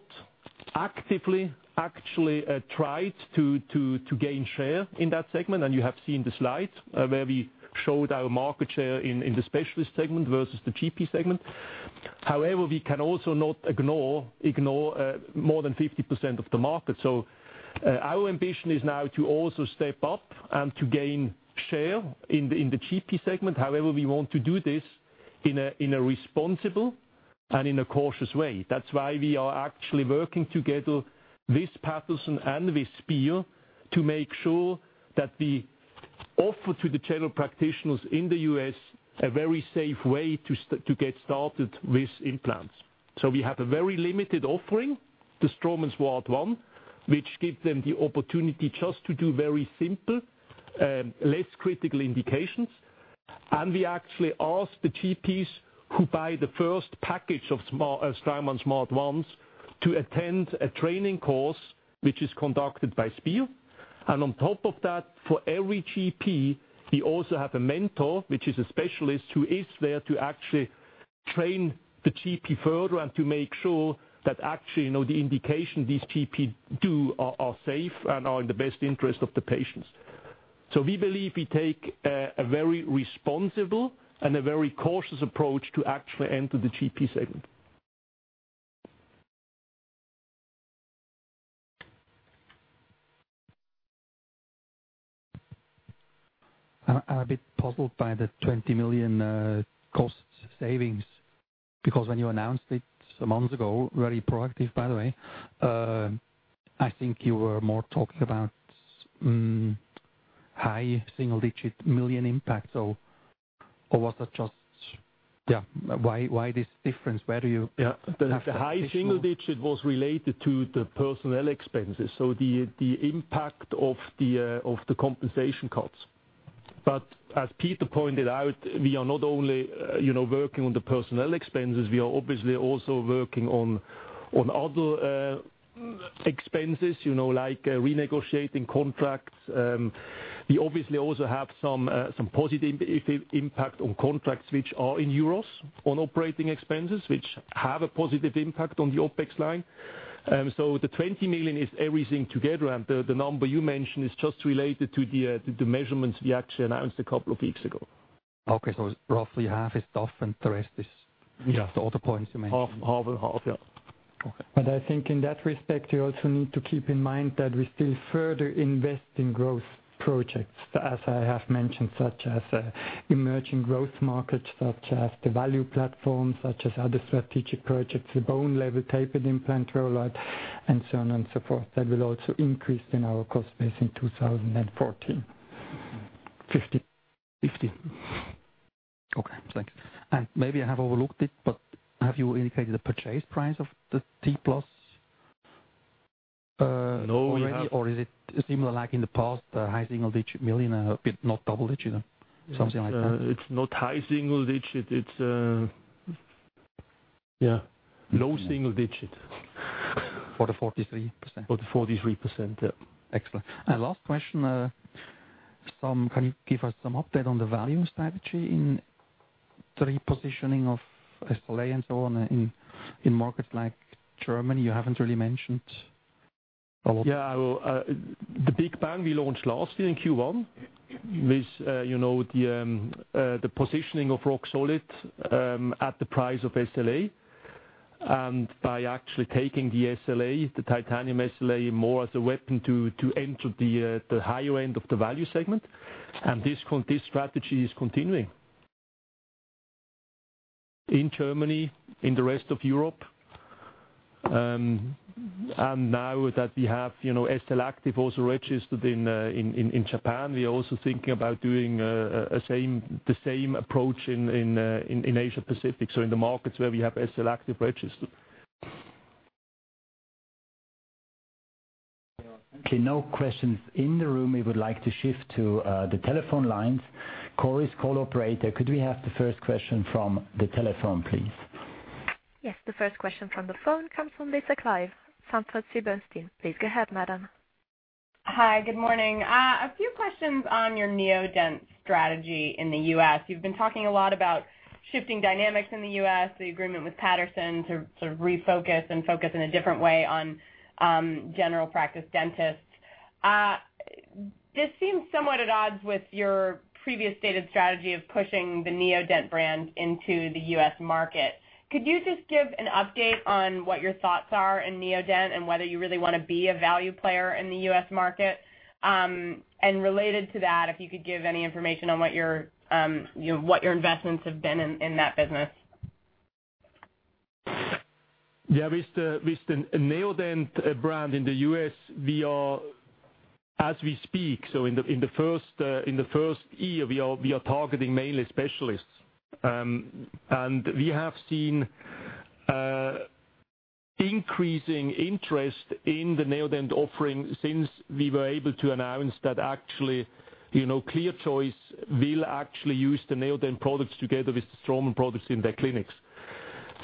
actively actually tried to gain share in that segment. You have seen the slides where we showed our market share in the specialist segment versus the GP segment. However, we can also not ignore more than 50% of the market. Our ambition is now to also step up and to gain share in the GP segment. However, we want to do this in a responsible and in a cautious way. That's why we are actually working together with Patterson and with Spear to make sure that we offer to the general practitioners in the U.S. a very safe way to get started with implants. We have a very limited offering, the Straumann Smart 1, which gives them the opportunity just to do very simple, less critical indications. And we actually ask the GPs who buy the first package of Straumann Smart 1s to attend a training course, which is conducted by Spear. On top of that, for every GP, we also have a mentor, which is a specialist who is there to actually train the GP further and to make sure that actually the indication these GP do are safe and are in the best interest of the patients. We believe we take a very responsible and a very cautious approach to actually enter the GP segment. I'm a bit puzzled by the 20 million cost savings, because when you announced it some months ago, very proactive by the way, I think you were more talking about high single-digit million impact. Why this difference? The high single digit was related to the personnel expenses, so the impact of the compensation cuts. As Peter pointed out, we are not only working on the personnel expenses, we are obviously also working on other expenses, like renegotiating contracts. We obviously also have some positive impact on contracts which are in EUR, on operating expenses, which have a positive impact on the OpEx line. The 20 million is everything together, and the number you mentioned is just related to the measurements we actually announced a couple of weeks ago. Okay. Roughly half is stuff. Yeah just other points you mentioned. Half and half. Yeah. Okay. I think in that respect, you also need to keep in mind that we still further invest in growth projects, as I have mentioned, such as emerging growth markets, such as the value platform, such as other strategic projects, the Bone Level Tapered implant rollout, and so on and so forth. That will also increase in our cost base in 2014. 2015. 2015. Okay, thanks. Maybe I have overlooked it, have you indicated the purchase price of the T-Plus- No already, or is it similar like in the past, the high single digit million, a bit not double digit or something like that? It's not high single digit. It's low single digit. For the 43%? For the 43%, yeah. Excellent. Last question, can you give us some update on the value strategy in repositioning of SLA and so on in markets like Germany? You haven't really mentioned a lot. Yeah. The big bang we launched last year in Q1 with the positioning of Roxolid at the price of SLA, by actually taking the SLA, the titanium SLA, more as a weapon to enter the higher end of the value segment. This strategy is continuing in Germany, in the rest of Europe. Now that we have SLActive also registered in Japan, we are also thinking about doing the same approach in Asia Pacific. In the markets where we have SLActive registered. Okay, no questions in the room. We would like to shift to the telephone lines. Chorus Call operator, could we have the first question from the telephone, please? Yes, the first question from the phone comes from Lisa Clive, Sanford C. Bernstein. Please go ahead, madam. Hi, good morning. A few questions on your Neodent strategy in the U.S. You've been talking a lot about shifting dynamics in the U.S., the agreement with Patterson to sort of refocus and focus in a different way on general practice dentists. This seems somewhat at odds with your previous stated strategy of pushing the Neodent brand into the U.S. market. Could you just give an update on what your thoughts are in Neodent, and whether you really want to be a value player in the U.S. market? Related to that, if you could give any information on what your investments have been in that business. With the Neodent brand in the U.S., as we speak, in the first year, we are targeting mainly specialists. We have seen increasing interest in the Neodent offering since we were able to announce that actually, ClearChoice will actually use the Neodent products together with the Straumann products in their clinics.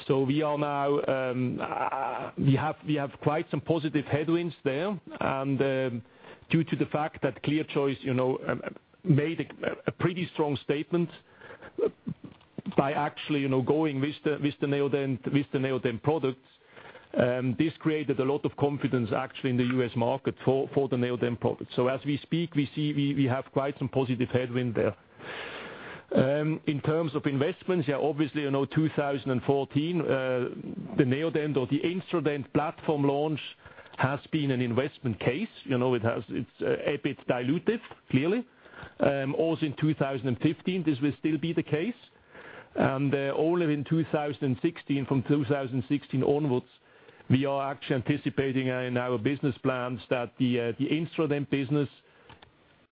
We have quite some positive headwinds there. Due to the fact that ClearChoice made a pretty strong statement by actually going with the Neodent products. This created a lot of confidence actually in the U.S. market for the Neodent products. As we speak, we see we have quite some positive headwind there. In terms of investments, obviously, 2014, the Neodent or the Instradent platform launch has been an investment case. It's EBIT dilutive, clearly. Also in 2015, this will still be the case. Only from 2016 onwards, we are actually anticipating in our business plans that the Instradent business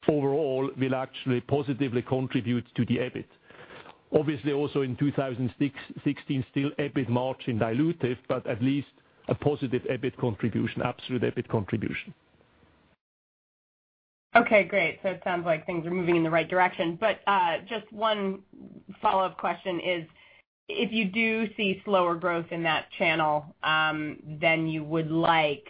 overall will actually positively contribute to the EBIT. Obviously, also in 2016, still EBIT margin dilutive, but at least a positive absolute EBIT contribution. Okay, great. It sounds like things are moving in the right direction. Just one follow-up question is, if you do see slower growth in that channel than you would like,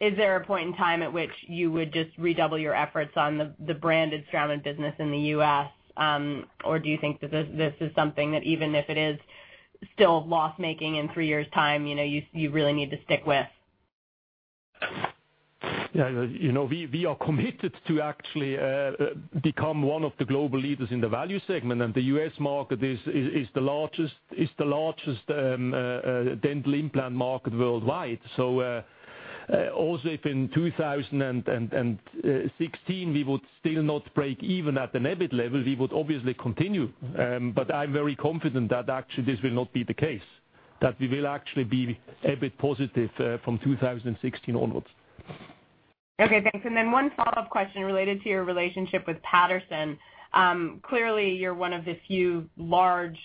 is there a point in time at which you would just redouble your efforts on the branded Straumann business in the U.S.? Do you think that this is something that even if it is still loss-making in three years' time, you really need to stick with? We are committed to actually become one of the global leaders in the value segment, the U.S. market is the largest dental implant market worldwide. Also if in 2016 we would still not break even at an EBIT level, we would obviously continue. I'm very confident that actually this will not be the case, that we will actually be EBIT positive from 2016 onwards. Okay, thanks. One follow-up question related to your relationship with Patterson. Clearly, you're one of the few large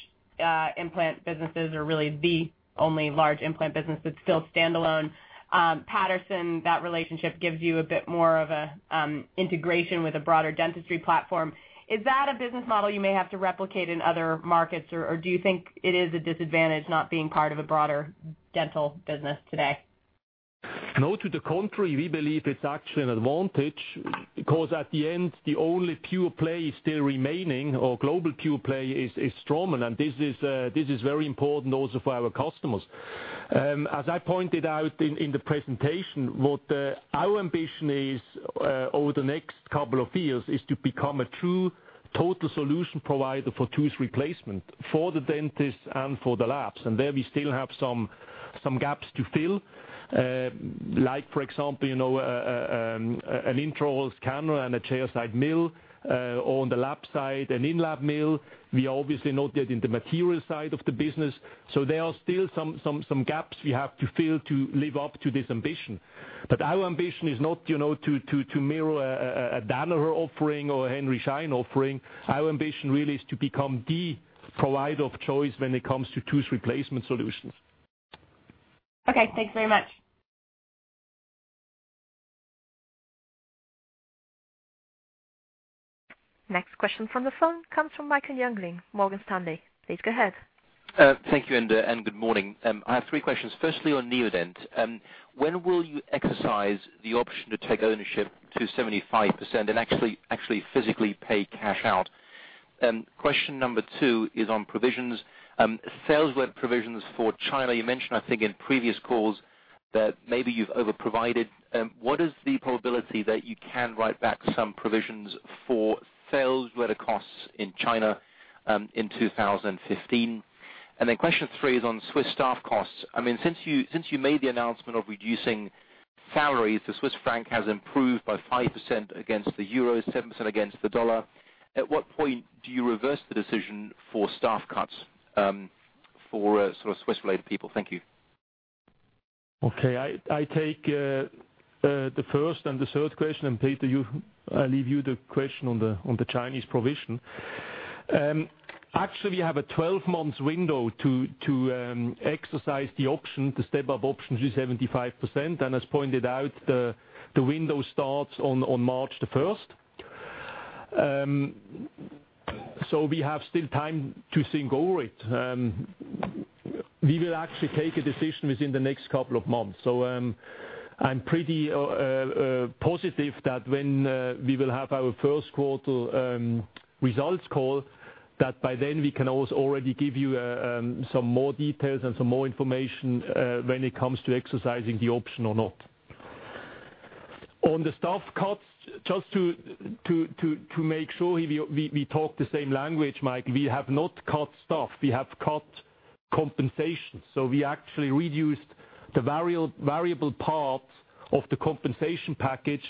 implant businesses or really the only large implant business that's still standalone. Patterson, that relationship gives you a bit more of a integration with a broader dentistry platform. Is that a business model you may have to replicate in other markets, or do you think it is a disadvantage not being part of a broader dental business today? No, to the contrary, we believe it's actually an advantage because at the end, the only pure play still remaining or global pure play is Straumann. This is very important also for our customers. As I pointed out in the presentation, what our ambition is over the next couple of years is to become a true total solution provider for tooth replacement for the dentist and for the labs. There we still have some gaps to fill. Like for example, an intraoral scanner and a chairside mill. On the lab side, an in-lab mill. We are obviously not yet in the material side of the business. There are still some gaps we have to fill to live up to this ambition. Our ambition is not to mirror a Danaher offering or a Henry Schein offering. Our ambition really is to become the provider of choice when it comes to tooth replacement solutions. Okay, thanks very much. Next question from the phone comes from Michael Jüngling., Morgan Stanley. Please go ahead. Thank you, and good morning. I have three questions. Firstly, on Neodent. When will you exercise the option to take ownership to 75% and actually physically pay cash out? Question number two is on provisions. Sales-related provisions for China. You mentioned, I think, in previous calls that maybe you've over-provided. What is the probability that you can write back some provisions for sales-related costs in China in 2015? Question three is on Swiss staff costs. Since you made the announcement of reducing salaries, the Swiss franc has improved by 5% against the euro, 7% against the dollar. At what point do you reverse the decision for staff cuts for sort of Swiss-related people? Thank you. Okay, I take the first and the third question, Peter, I leave you the question on the Chinese provision. Actually, we have a 12 months window to exercise the option, the step-up option to 75%. As pointed out, the window starts on March the 1st. We have still time to think over it. We will actually take a decision within the next couple of months. I'm pretty positive that when we will have our first quarter results call, that by then we can also already give you some more details and some more information when it comes to exercising the option or not. On the staff cuts, just to make sure we talk the same language, Mike, we have not cut staff. We have cut compensation. We actually reduced the variable part of the compensation package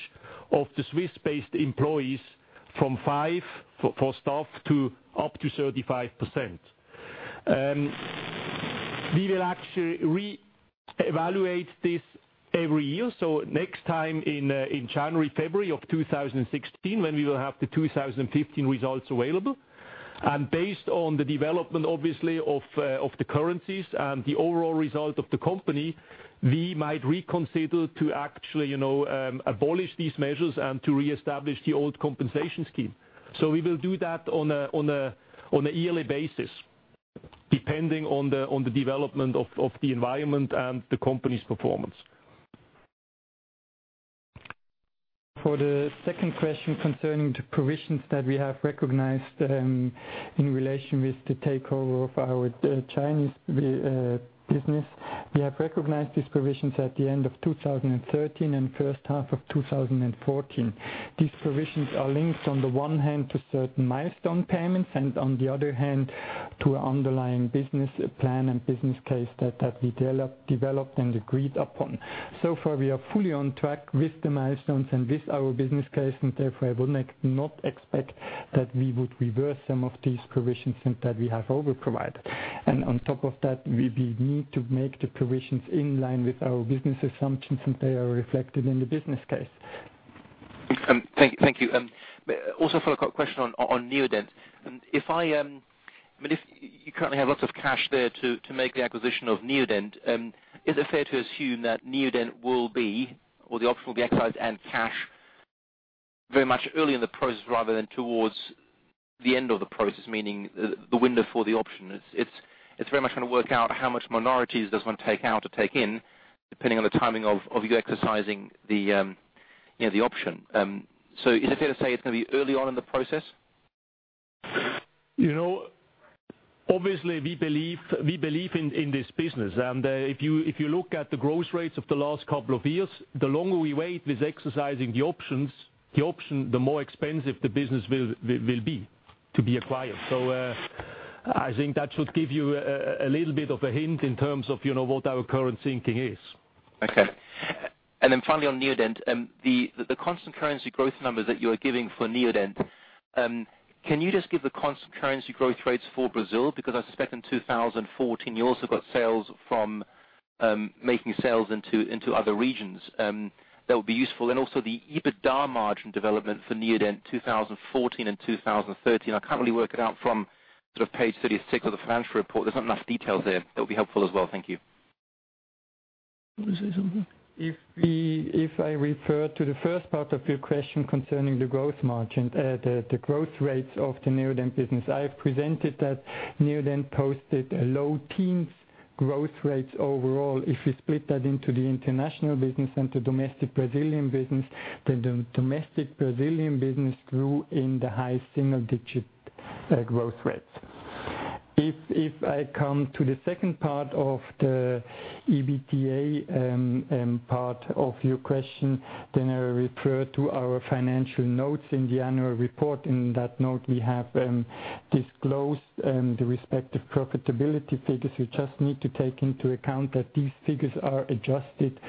of the Swiss-based employees From five for staff to up to 35%. We will actually reevaluate this every year. Next time in January, February of 2016, when we will have the 2015 results available. Based on the development, obviously, of the currencies and the overall result of the company, we might reconsider to actually abolish these measures and to reestablish the old compensation scheme. We will do that on a yearly basis, depending on the development of the environment and the company's performance. For the second question concerning the provisions that we have recognized in relation with the takeover of our Chinese business. We have recognized these provisions at the end of 2013 and first half of 2014. These provisions are linked, on the one hand, to certain milestone payments and, on the other hand, to underlying business plan and business case that we developed and agreed upon. Far, we are fully on track with the milestones and with our business case, and therefore, I would not expect that we would reverse some of these provisions and that we have over-provided. On top of that, we need to make the provisions in line with our business assumptions, and they are reflected in the business case. Thank you. A follow-up question on Neodent. You currently have lots of cash there to make the acquisition of Neodent. Is it fair to assume that Neodent will be, or the option will be exercised and cash very much early in the process rather than towards the end of the process, meaning the window for the option. It's very much going to work out how much minorities does one take out or take in, depending on the timing of you exercising the option. Is it fair to say it's going to be early on in the process? Obviously, we believe in this business, and if you look at the growth rates of the last couple of years, the longer we wait with exercising the option, the more expensive the business will be to be acquired. I think that should give you a little bit of a hint in terms of what our current thinking is. Okay. Then finally on Neodent. The constant currency growth numbers that you are giving for Neodent, can you just give the constant currency growth rates for Brazil? I suspect in 2014, you also got sales from making sales into other regions. That would be useful. Also the EBITDA margin development for Neodent 2014 and 2013. I can't really work it out from page 36 of the financial report. There's not enough details there. That would be helpful as well. Thank you. You want to say something? If I refer to the first part of your question concerning the growth margin, the growth rates of the Neodent business. I have presented that Neodent posted a low teens growth rates overall. If you split that into the international business and the domestic Brazilian business, then the domestic Brazilian business grew in the high single-digit growth rates. If I come to the second part of the EBITDA part of your question, then I refer to our financial notes in the annual report. In that note, we have disclosed the respective profitability figures. You just need to take into account that these figures are adjusted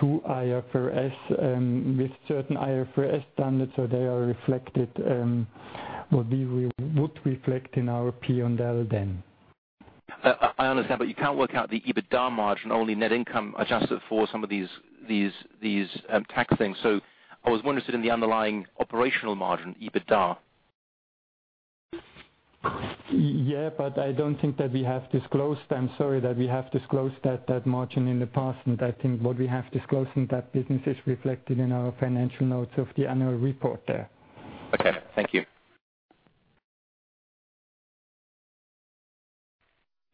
to IFRS with certain IFRS standards, so they are reflected, what we would reflect in our P&L then. I understand, you can't work out the EBITDA margin, only net income adjusted for some of these tax things. I was wondering, is it in the underlying operational margin, EBITDA? I don't think that we have disclosed, I'm sorry, that we have disclosed that margin in the past. I think what we have disclosed in that business is reflected in our financial notes of the annual report there. Okay. Thank you.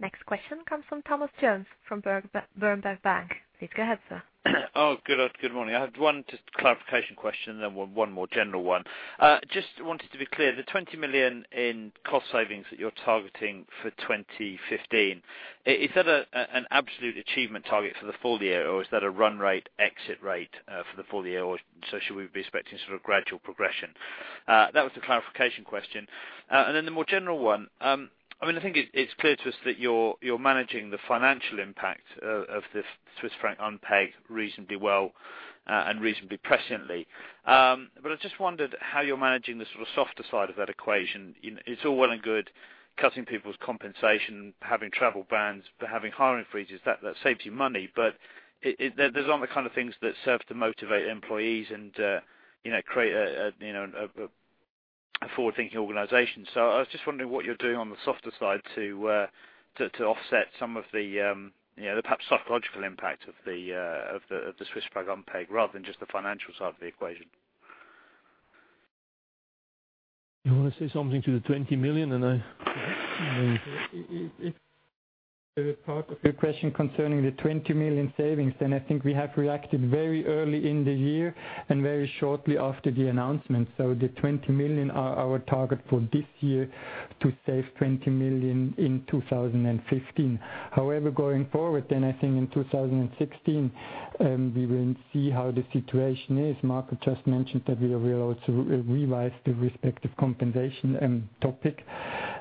Next question comes from Tom Jones with Berenberg Bank. Please go ahead, sir. Good morning. I have one just clarification question, then one more general one. Just wanted to be clear, the 20 million in cost savings that you're targeting for 2015, is that an absolute achievement target for the full year, or is that a run rate exit rate for the full year, or so should we be expecting sort of gradual progression? That was the clarification question. The more general one. I just wondered how you're managing the sort of softer side of that equation. It's all well and good cutting people's compensation, having travel bans, having hiring freezes, that saves you money. Those aren't the kind of things that serve to motivate employees and create a forward-thinking organization. I was just wondering what you're doing on the softer side to offset some of the perhaps psychological impact of the Swiss franc unpeg rather than just the financial side of the equation. You want to say something to the 20 million. The part of your question concerning the 20 million savings, I think we have reacted very early in the year and very shortly after the announcement. The 20 million are our target for this year to save 20 million in 2015. However, going forward, I think in 2016, we will see how the situation is. Marco just mentioned that we will also revise the respective compensation topic,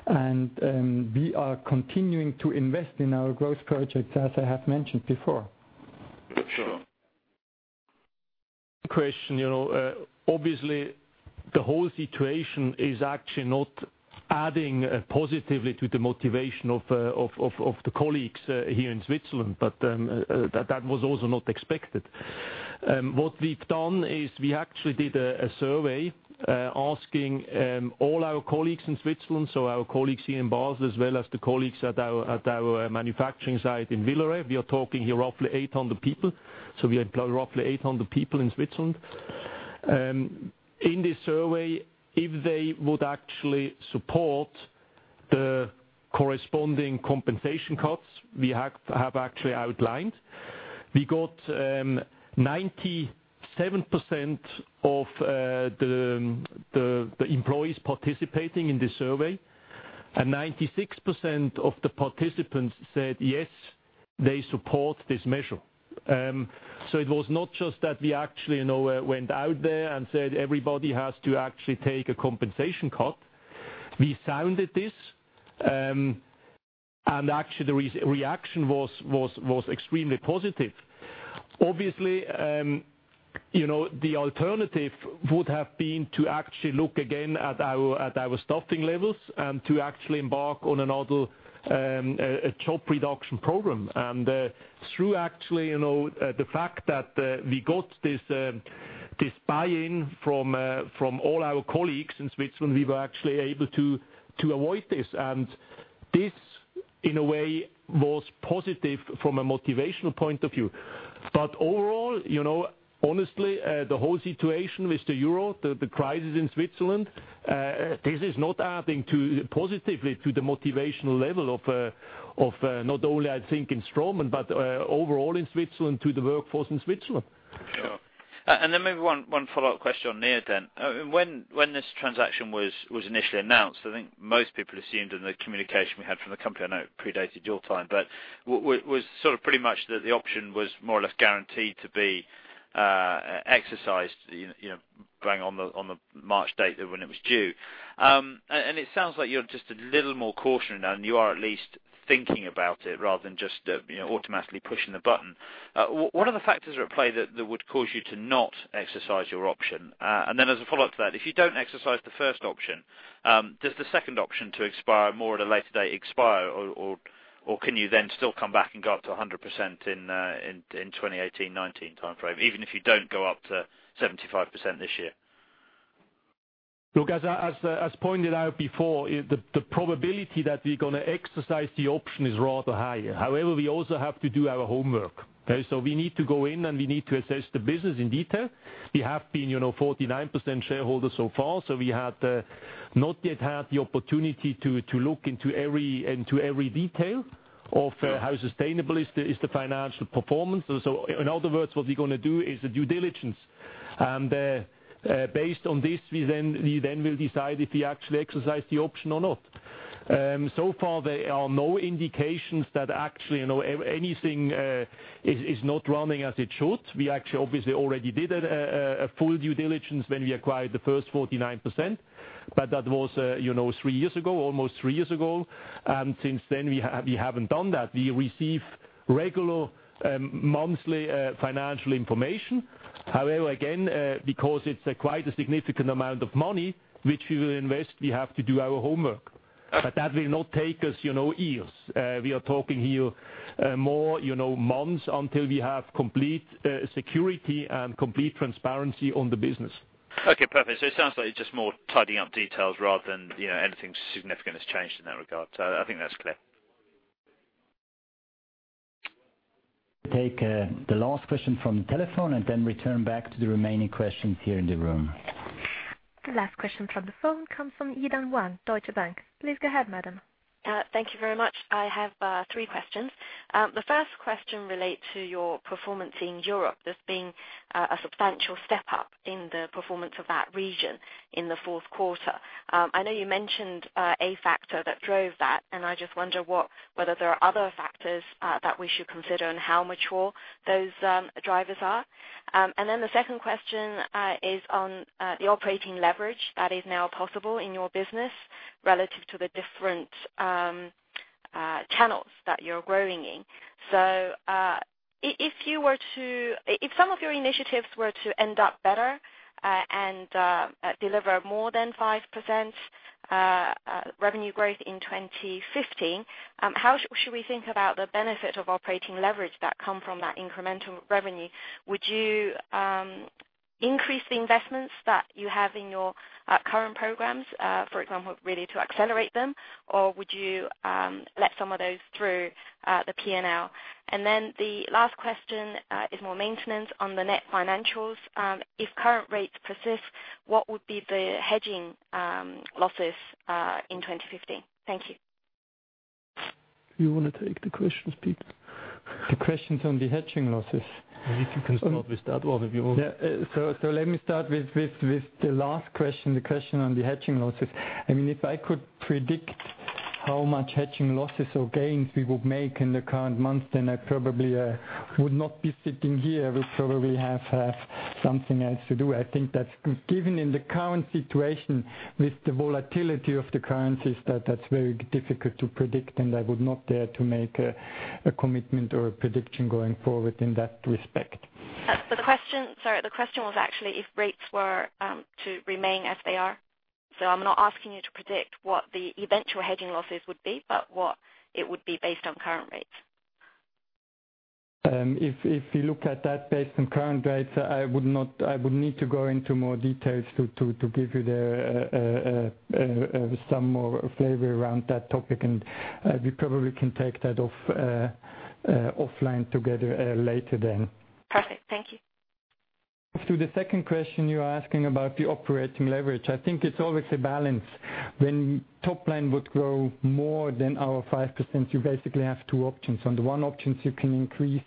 and we are continuing to invest in our growth projects, as I have mentioned before. Question. Obviously, the whole situation is actually not adding positively to the motivation of the colleagues here in Switzerland, but that was also not expected. What we've done is we actually did a survey asking all our colleagues in Switzerland, so our colleagues here in Basel, as well as the colleagues at our manufacturing site in Villeret. We are talking here roughly 800 people. We employ roughly 800 people in Switzerland. In this survey, if they would actually support the corresponding compensation cuts we have actually outlined. We got 97% of the employees participating in this survey, and 96% of the participants said, yes, they support this measure. It was not just that we actually went out there and said everybody has to actually take a compensation cut. We sounded this, and actually the reaction was extremely positive. Obviously, the alternative would have been to actually look again at our staffing levels and to actually embark on another job reduction program. Through the fact that we got this buy-in from all our colleagues in Switzerland, we were actually able to avoid this. This, in a way, was positive from a motivational point of view. Overall, honestly, the whole situation with the euro, the crisis in Switzerland, this is not adding positively to the motivational level of not only I think in Straumann, but overall in Switzerland to the workforce in Switzerland. Sure. Then maybe one follow-up question on Neodent. When this transaction was initially announced, I think most people assumed in the communication we had from the company, I know it predated your time, but was sort of pretty much that the option was more or less guaranteed to be exercised going on the March date when it was due. It sounds like you're just a little more cautious now, and you are at least thinking about it rather than just automatically pushing the button. What are the factors at play that would cause you to not exercise your option? Then as a follow-up to that, if you don't exercise the first option, does the second option to expire more at a later date expire, or can you then still come back and go up to 100% in 2018-19 timeframe, even if you don't go up to 75% this year? Look, as pointed out before, the probability that we're going to exercise the option is rather high. However, we also have to do our homework. Okay? We need to go in, and we need to assess the business in detail. We have been 49% shareholder so far, so we had not yet had the opportunity to look into every detail of how sustainable is the financial performance. In other words, what we're going to do is a due diligence. Based on this, we then will decide if we actually exercise the option or not. So far, there are no indications that actually anything is not running as it should. We actually obviously already did a full due diligence when we acquired the first 49%, but that was three years ago, almost three years ago. Since then we haven't done that. We receive regular monthly financial information. However, again because it's quite a significant amount of money which we will invest, we have to do our homework. That will not take us years. We are talking here more months until we have complete security and complete transparency on the business. Okay, perfect. It sounds like it's just more tidying up details rather than anything significant has changed in that regard. I think that's clear. Take the last question from the telephone and then return back to the remaining questions here in the room. The last question from the phone comes from Yi-Dan Wang, Deutsche Bank. Please go ahead, madam. Thank you very much. I have three questions. The first question relates to your performance in Europe. There's been a substantial step-up in the performance of that region in the fourth quarter. I know you mentioned a factor that drove that, and I just wonder whether there are other factors that we should consider and how mature those drivers are. The second question is on the operating leverage that is now possible in your business relative to the different channels that you're growing in. If some of your initiatives were to end up better and deliver more than 5% revenue growth in 2015, how should we think about the benefit of operating leverage that come from that incremental revenue? Would you increase the investments that you have in your current programs, for example, really to accelerate them? Would you let some of those through the P&L? The last question is more maintenance on the net financials. If current rates persist, what would be the hedging losses in 2015? Thank you. You want to take the questions, Peter? The questions on the hedging losses. Maybe you can start with that one if you want. Yeah. Let me start with the last question, the question on the hedging losses. If I could predict how much hedging losses or gains we would make in the current month, then I probably would not be sitting here. I would probably have something else to do. I think that given in the current situation with the volatility of the currencies, that's very difficult to predict, and I would not dare to make a commitment or a prediction going forward in that respect. Sorry. The question was actually if rates were to remain as they are. I'm not asking you to predict what the eventual hedging losses would be, but what it would be based on current rates. If you look at that based on current rates, I would need to go into more details to give you some more flavor around that topic, we probably can take that offline together later then. Perfect. Thank you. To the second question you are asking about the operating leverage. I think it's always a balance. When top line would grow more than our 5%, you basically have two options. On the one option, you can increase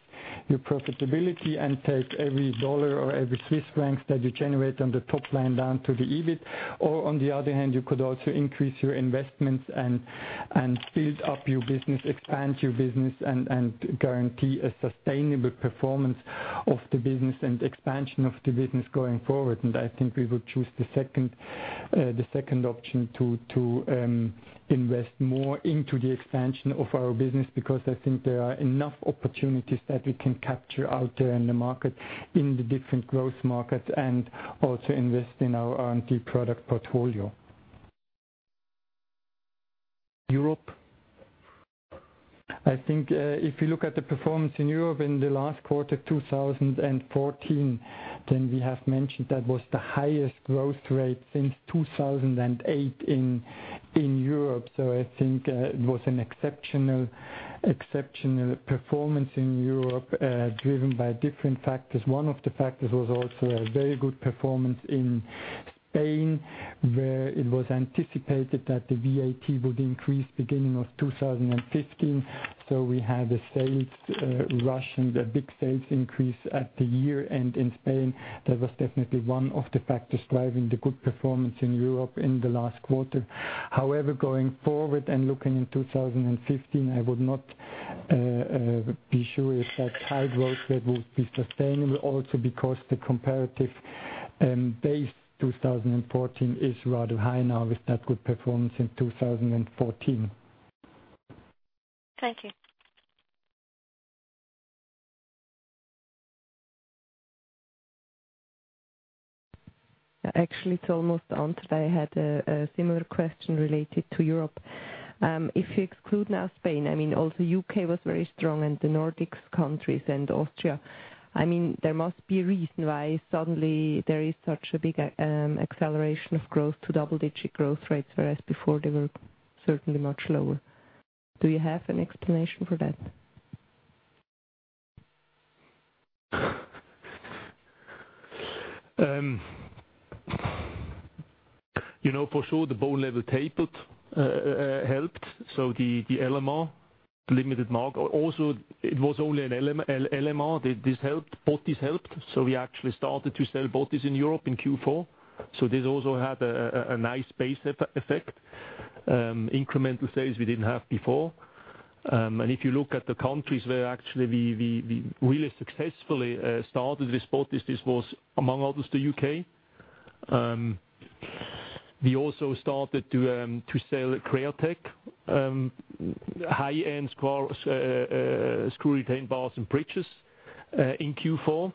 your profitability and take every dollar or every Swiss franc that you generate on the top line down to the EBIT, or on the other hand, you could also increase your investments and build up your business, expand your business, and guarantee a sustainable performance of the business and expansion of the business going forward. I think we would choose the second option to invest more into the expansion of our business, because I think there are enough opportunities that we can capture out there in the market, in the different growth markets, and also invest in our R&D product portfolio. Europe, I think if you look at the performance in Europe in the last quarter 2014, we have mentioned that was the highest growth rate since 2008 in Europe. I think it was an exceptional performance in Europe, driven by different factors. One of the factors was also a very good performance in Spain, where it was anticipated that the VAT would increase beginning of 2015. We had a sales rush and a big sales increase at the year-end in Spain. That was definitely one of the factors driving the good performance in Europe in the last quarter. However, going forward and looking in 2015, I would not be sure if that high growth rate would be sustainable, also because the comparative base 2014 is rather high now with that good performance in 2014. Thank you. Actually, it's almost answered. I had a similar question related to Europe. If you exclude now Spain, also U.K. was very strong and the Nordics countries and Austria. There must be a reason why suddenly there is such a big acceleration of growth to double-digit growth rates, whereas before they were certainly much lower. Do you have an explanation for that? For sure the Bone Level Tapered helped. The LMR, the limited mark. Also, it was only an LMR. This helped. botiss helped. We actually started to sell botiss in Europe in Q4. This also had a nice base effect. Incremental sales we didn't have before. If you look at the countries where actually we successfully started with botiss, this was among others, the U.K. We also started to sell Createch high-end screw retained bars and bridges in Q4.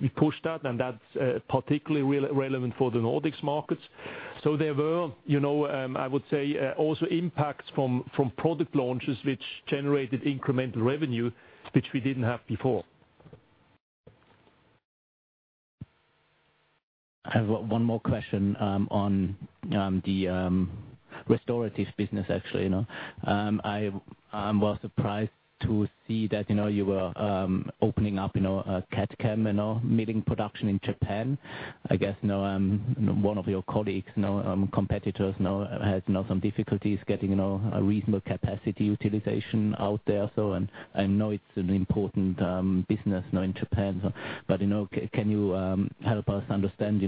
We pushed that, and that's particularly relevant for the Nordics markets. There were I would say, also impacts from product launches which generated incremental revenue, which we didn't have before. I have one more question on the restorative business, actually. I was surprised to see that you were opening up a CAD/CAM milling production in Japan. I guess now one of your colleagues, competitors now has some difficulties getting a reasonable capacity utilization out there. I know it's an important business now in Japan. Can you help us understand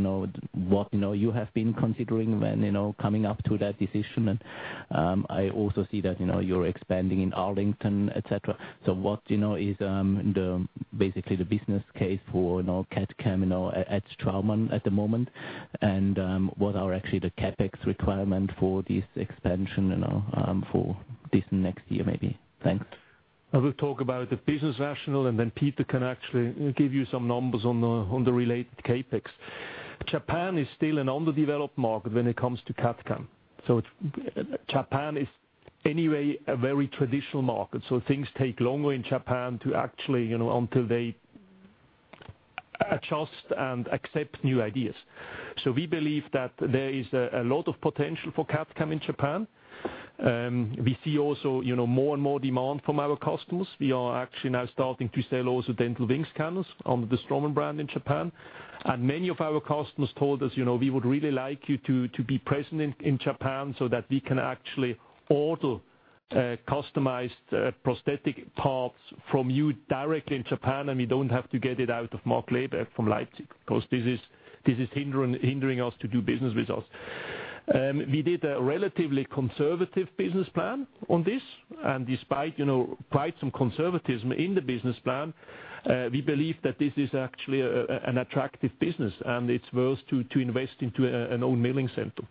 what you have been considering when coming up to that decision? I also see that you're expanding in Arlington, et cetera. What is basically the business case for CAD/CAM now at Straumann at the moment? What are actually the CapEx requirement for this expansion for this next year, maybe? Thanks. I will talk about the business rationale, and then Peter can actually give you some numbers on the related CapEx. Japan is still an underdeveloped market when it comes to CAD/CAM. Japan is anyway a very traditional market. Things take longer in Japan to actually, until they adjust and accept new ideas. We believe that there is a lot of potential for CAD/CAM in Japan. We see also more and more demand from our customers. We are actually now starting to sell also Dental Wings scanners under the Straumann brand in Japan. Many of our customers told us, "We would really like you to be present in Japan so that we can actually order customized prosthetic parts from you directly in Japan, and we don't have to get it out of Markkleeberg from Leipzig, because this is hindering us to do business with us." We did a relatively conservative business plan on this, and despite quite some conservatism in the business plan, we believe that this is actually an attractive business and it's worth to invest into an own milling center.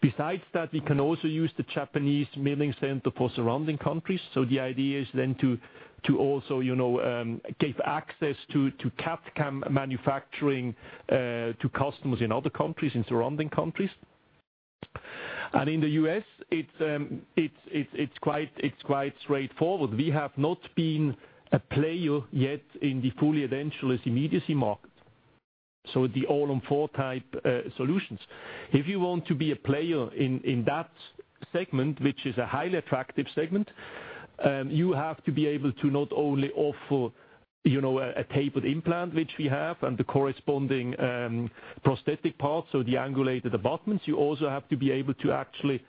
Besides that, we can also use the Japanese milling center for surrounding countries. The idea is then to also give access to CAD/CAM manufacturing to customers in other countries, in surrounding countries. In the U.S., it's quite straightforward. We have not been a player yet in the fully edentulous immediacy market, so the All-on-4 type solutions. If you want to be a player in that segment, which is a highly attractive segment, you have to be able to not only offer a tapered implant, which we have, and the corresponding prosthetic parts, so the angulated abutments, you also have to be able to actually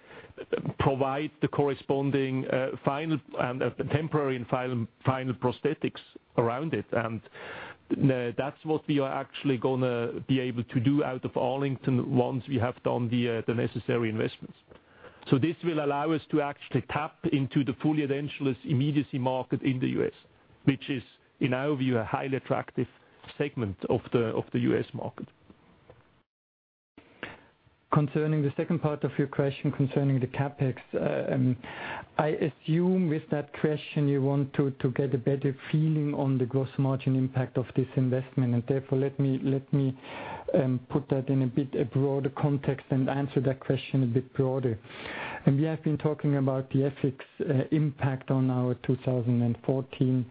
provide the corresponding temporary and final prosthetics around it. That's what we are actually going to be able to do out of Arlington once we have done the necessary investments. This will allow us to actually tap into the fully edentulous immediacy market in the U.S., which is, in our view, a highly attractive segment of the U.S. market. Concerning the second part of your question concerning the CapEx, I assume with that question you want to get a better feeling on the gross margin impact of this investment, and therefore let me put that in a bit broader context and answer that question a bit broader. We have been talking about the FX impact on our 2014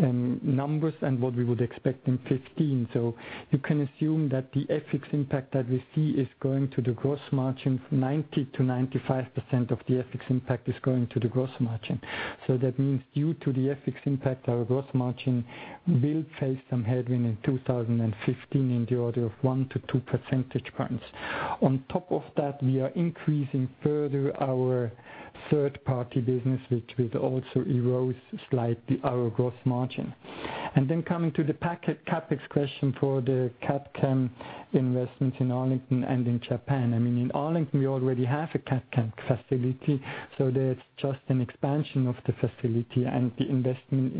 numbers and what we would expect in 2015. You can assume that the FX impact that we see is going to the gross margin, 90%-95% of the FX impact is going to the gross margin. That means due to the FX impact, our gross margin will face some headwind in 2015 in the order of one to two percentage points. On top of that, we are increasing further our third-party business, which will also erode slightly our gross margin. Coming to the CapEx question for the CAD/CAM investments in Arlington and in Japan. In Arlington, we already have a CAD/CAM facility, so that's just an expansion of the facility and the investment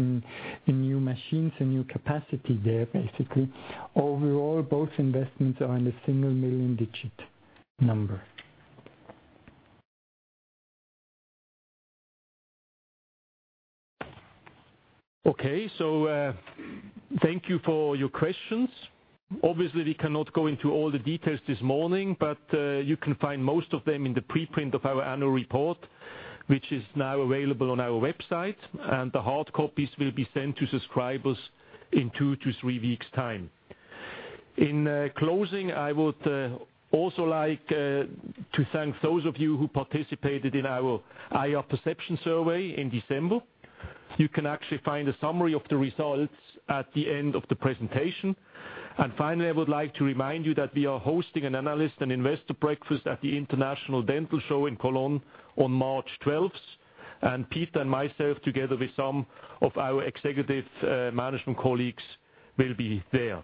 in new machines and new capacity there, basically. Overall, both investments are in the single million digit number. Okay. Thank you for your questions. Obviously, we cannot go into all the details this morning, but you can find most of them in the preprint of our annual report, which is now available on our website, and the hard copies will be sent to subscribers in two to three weeks' time. In closing, I would also like to thank those of you who participated in our IR perception survey in December. You can actually find a summary of the results at the end of the presentation. Finally, I would like to remind you that we are hosting an analyst and investor breakfast at the International Dental Show in Cologne on March 12th, and Peter and myself, together with some of our executive management colleagues, will be there.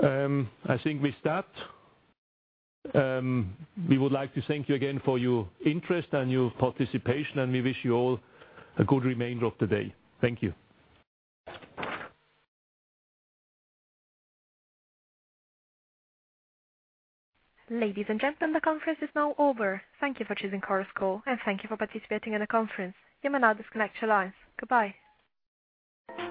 I think with that, we would like to thank you again for your interest and your participation, and we wish you all a good remainder of the day. Thank you. Ladies and gentlemen, the conference is now over. Thank you for choosing Chorus Call, and thank you for participating in the conference. You may now disconnect your lines. Goodbye.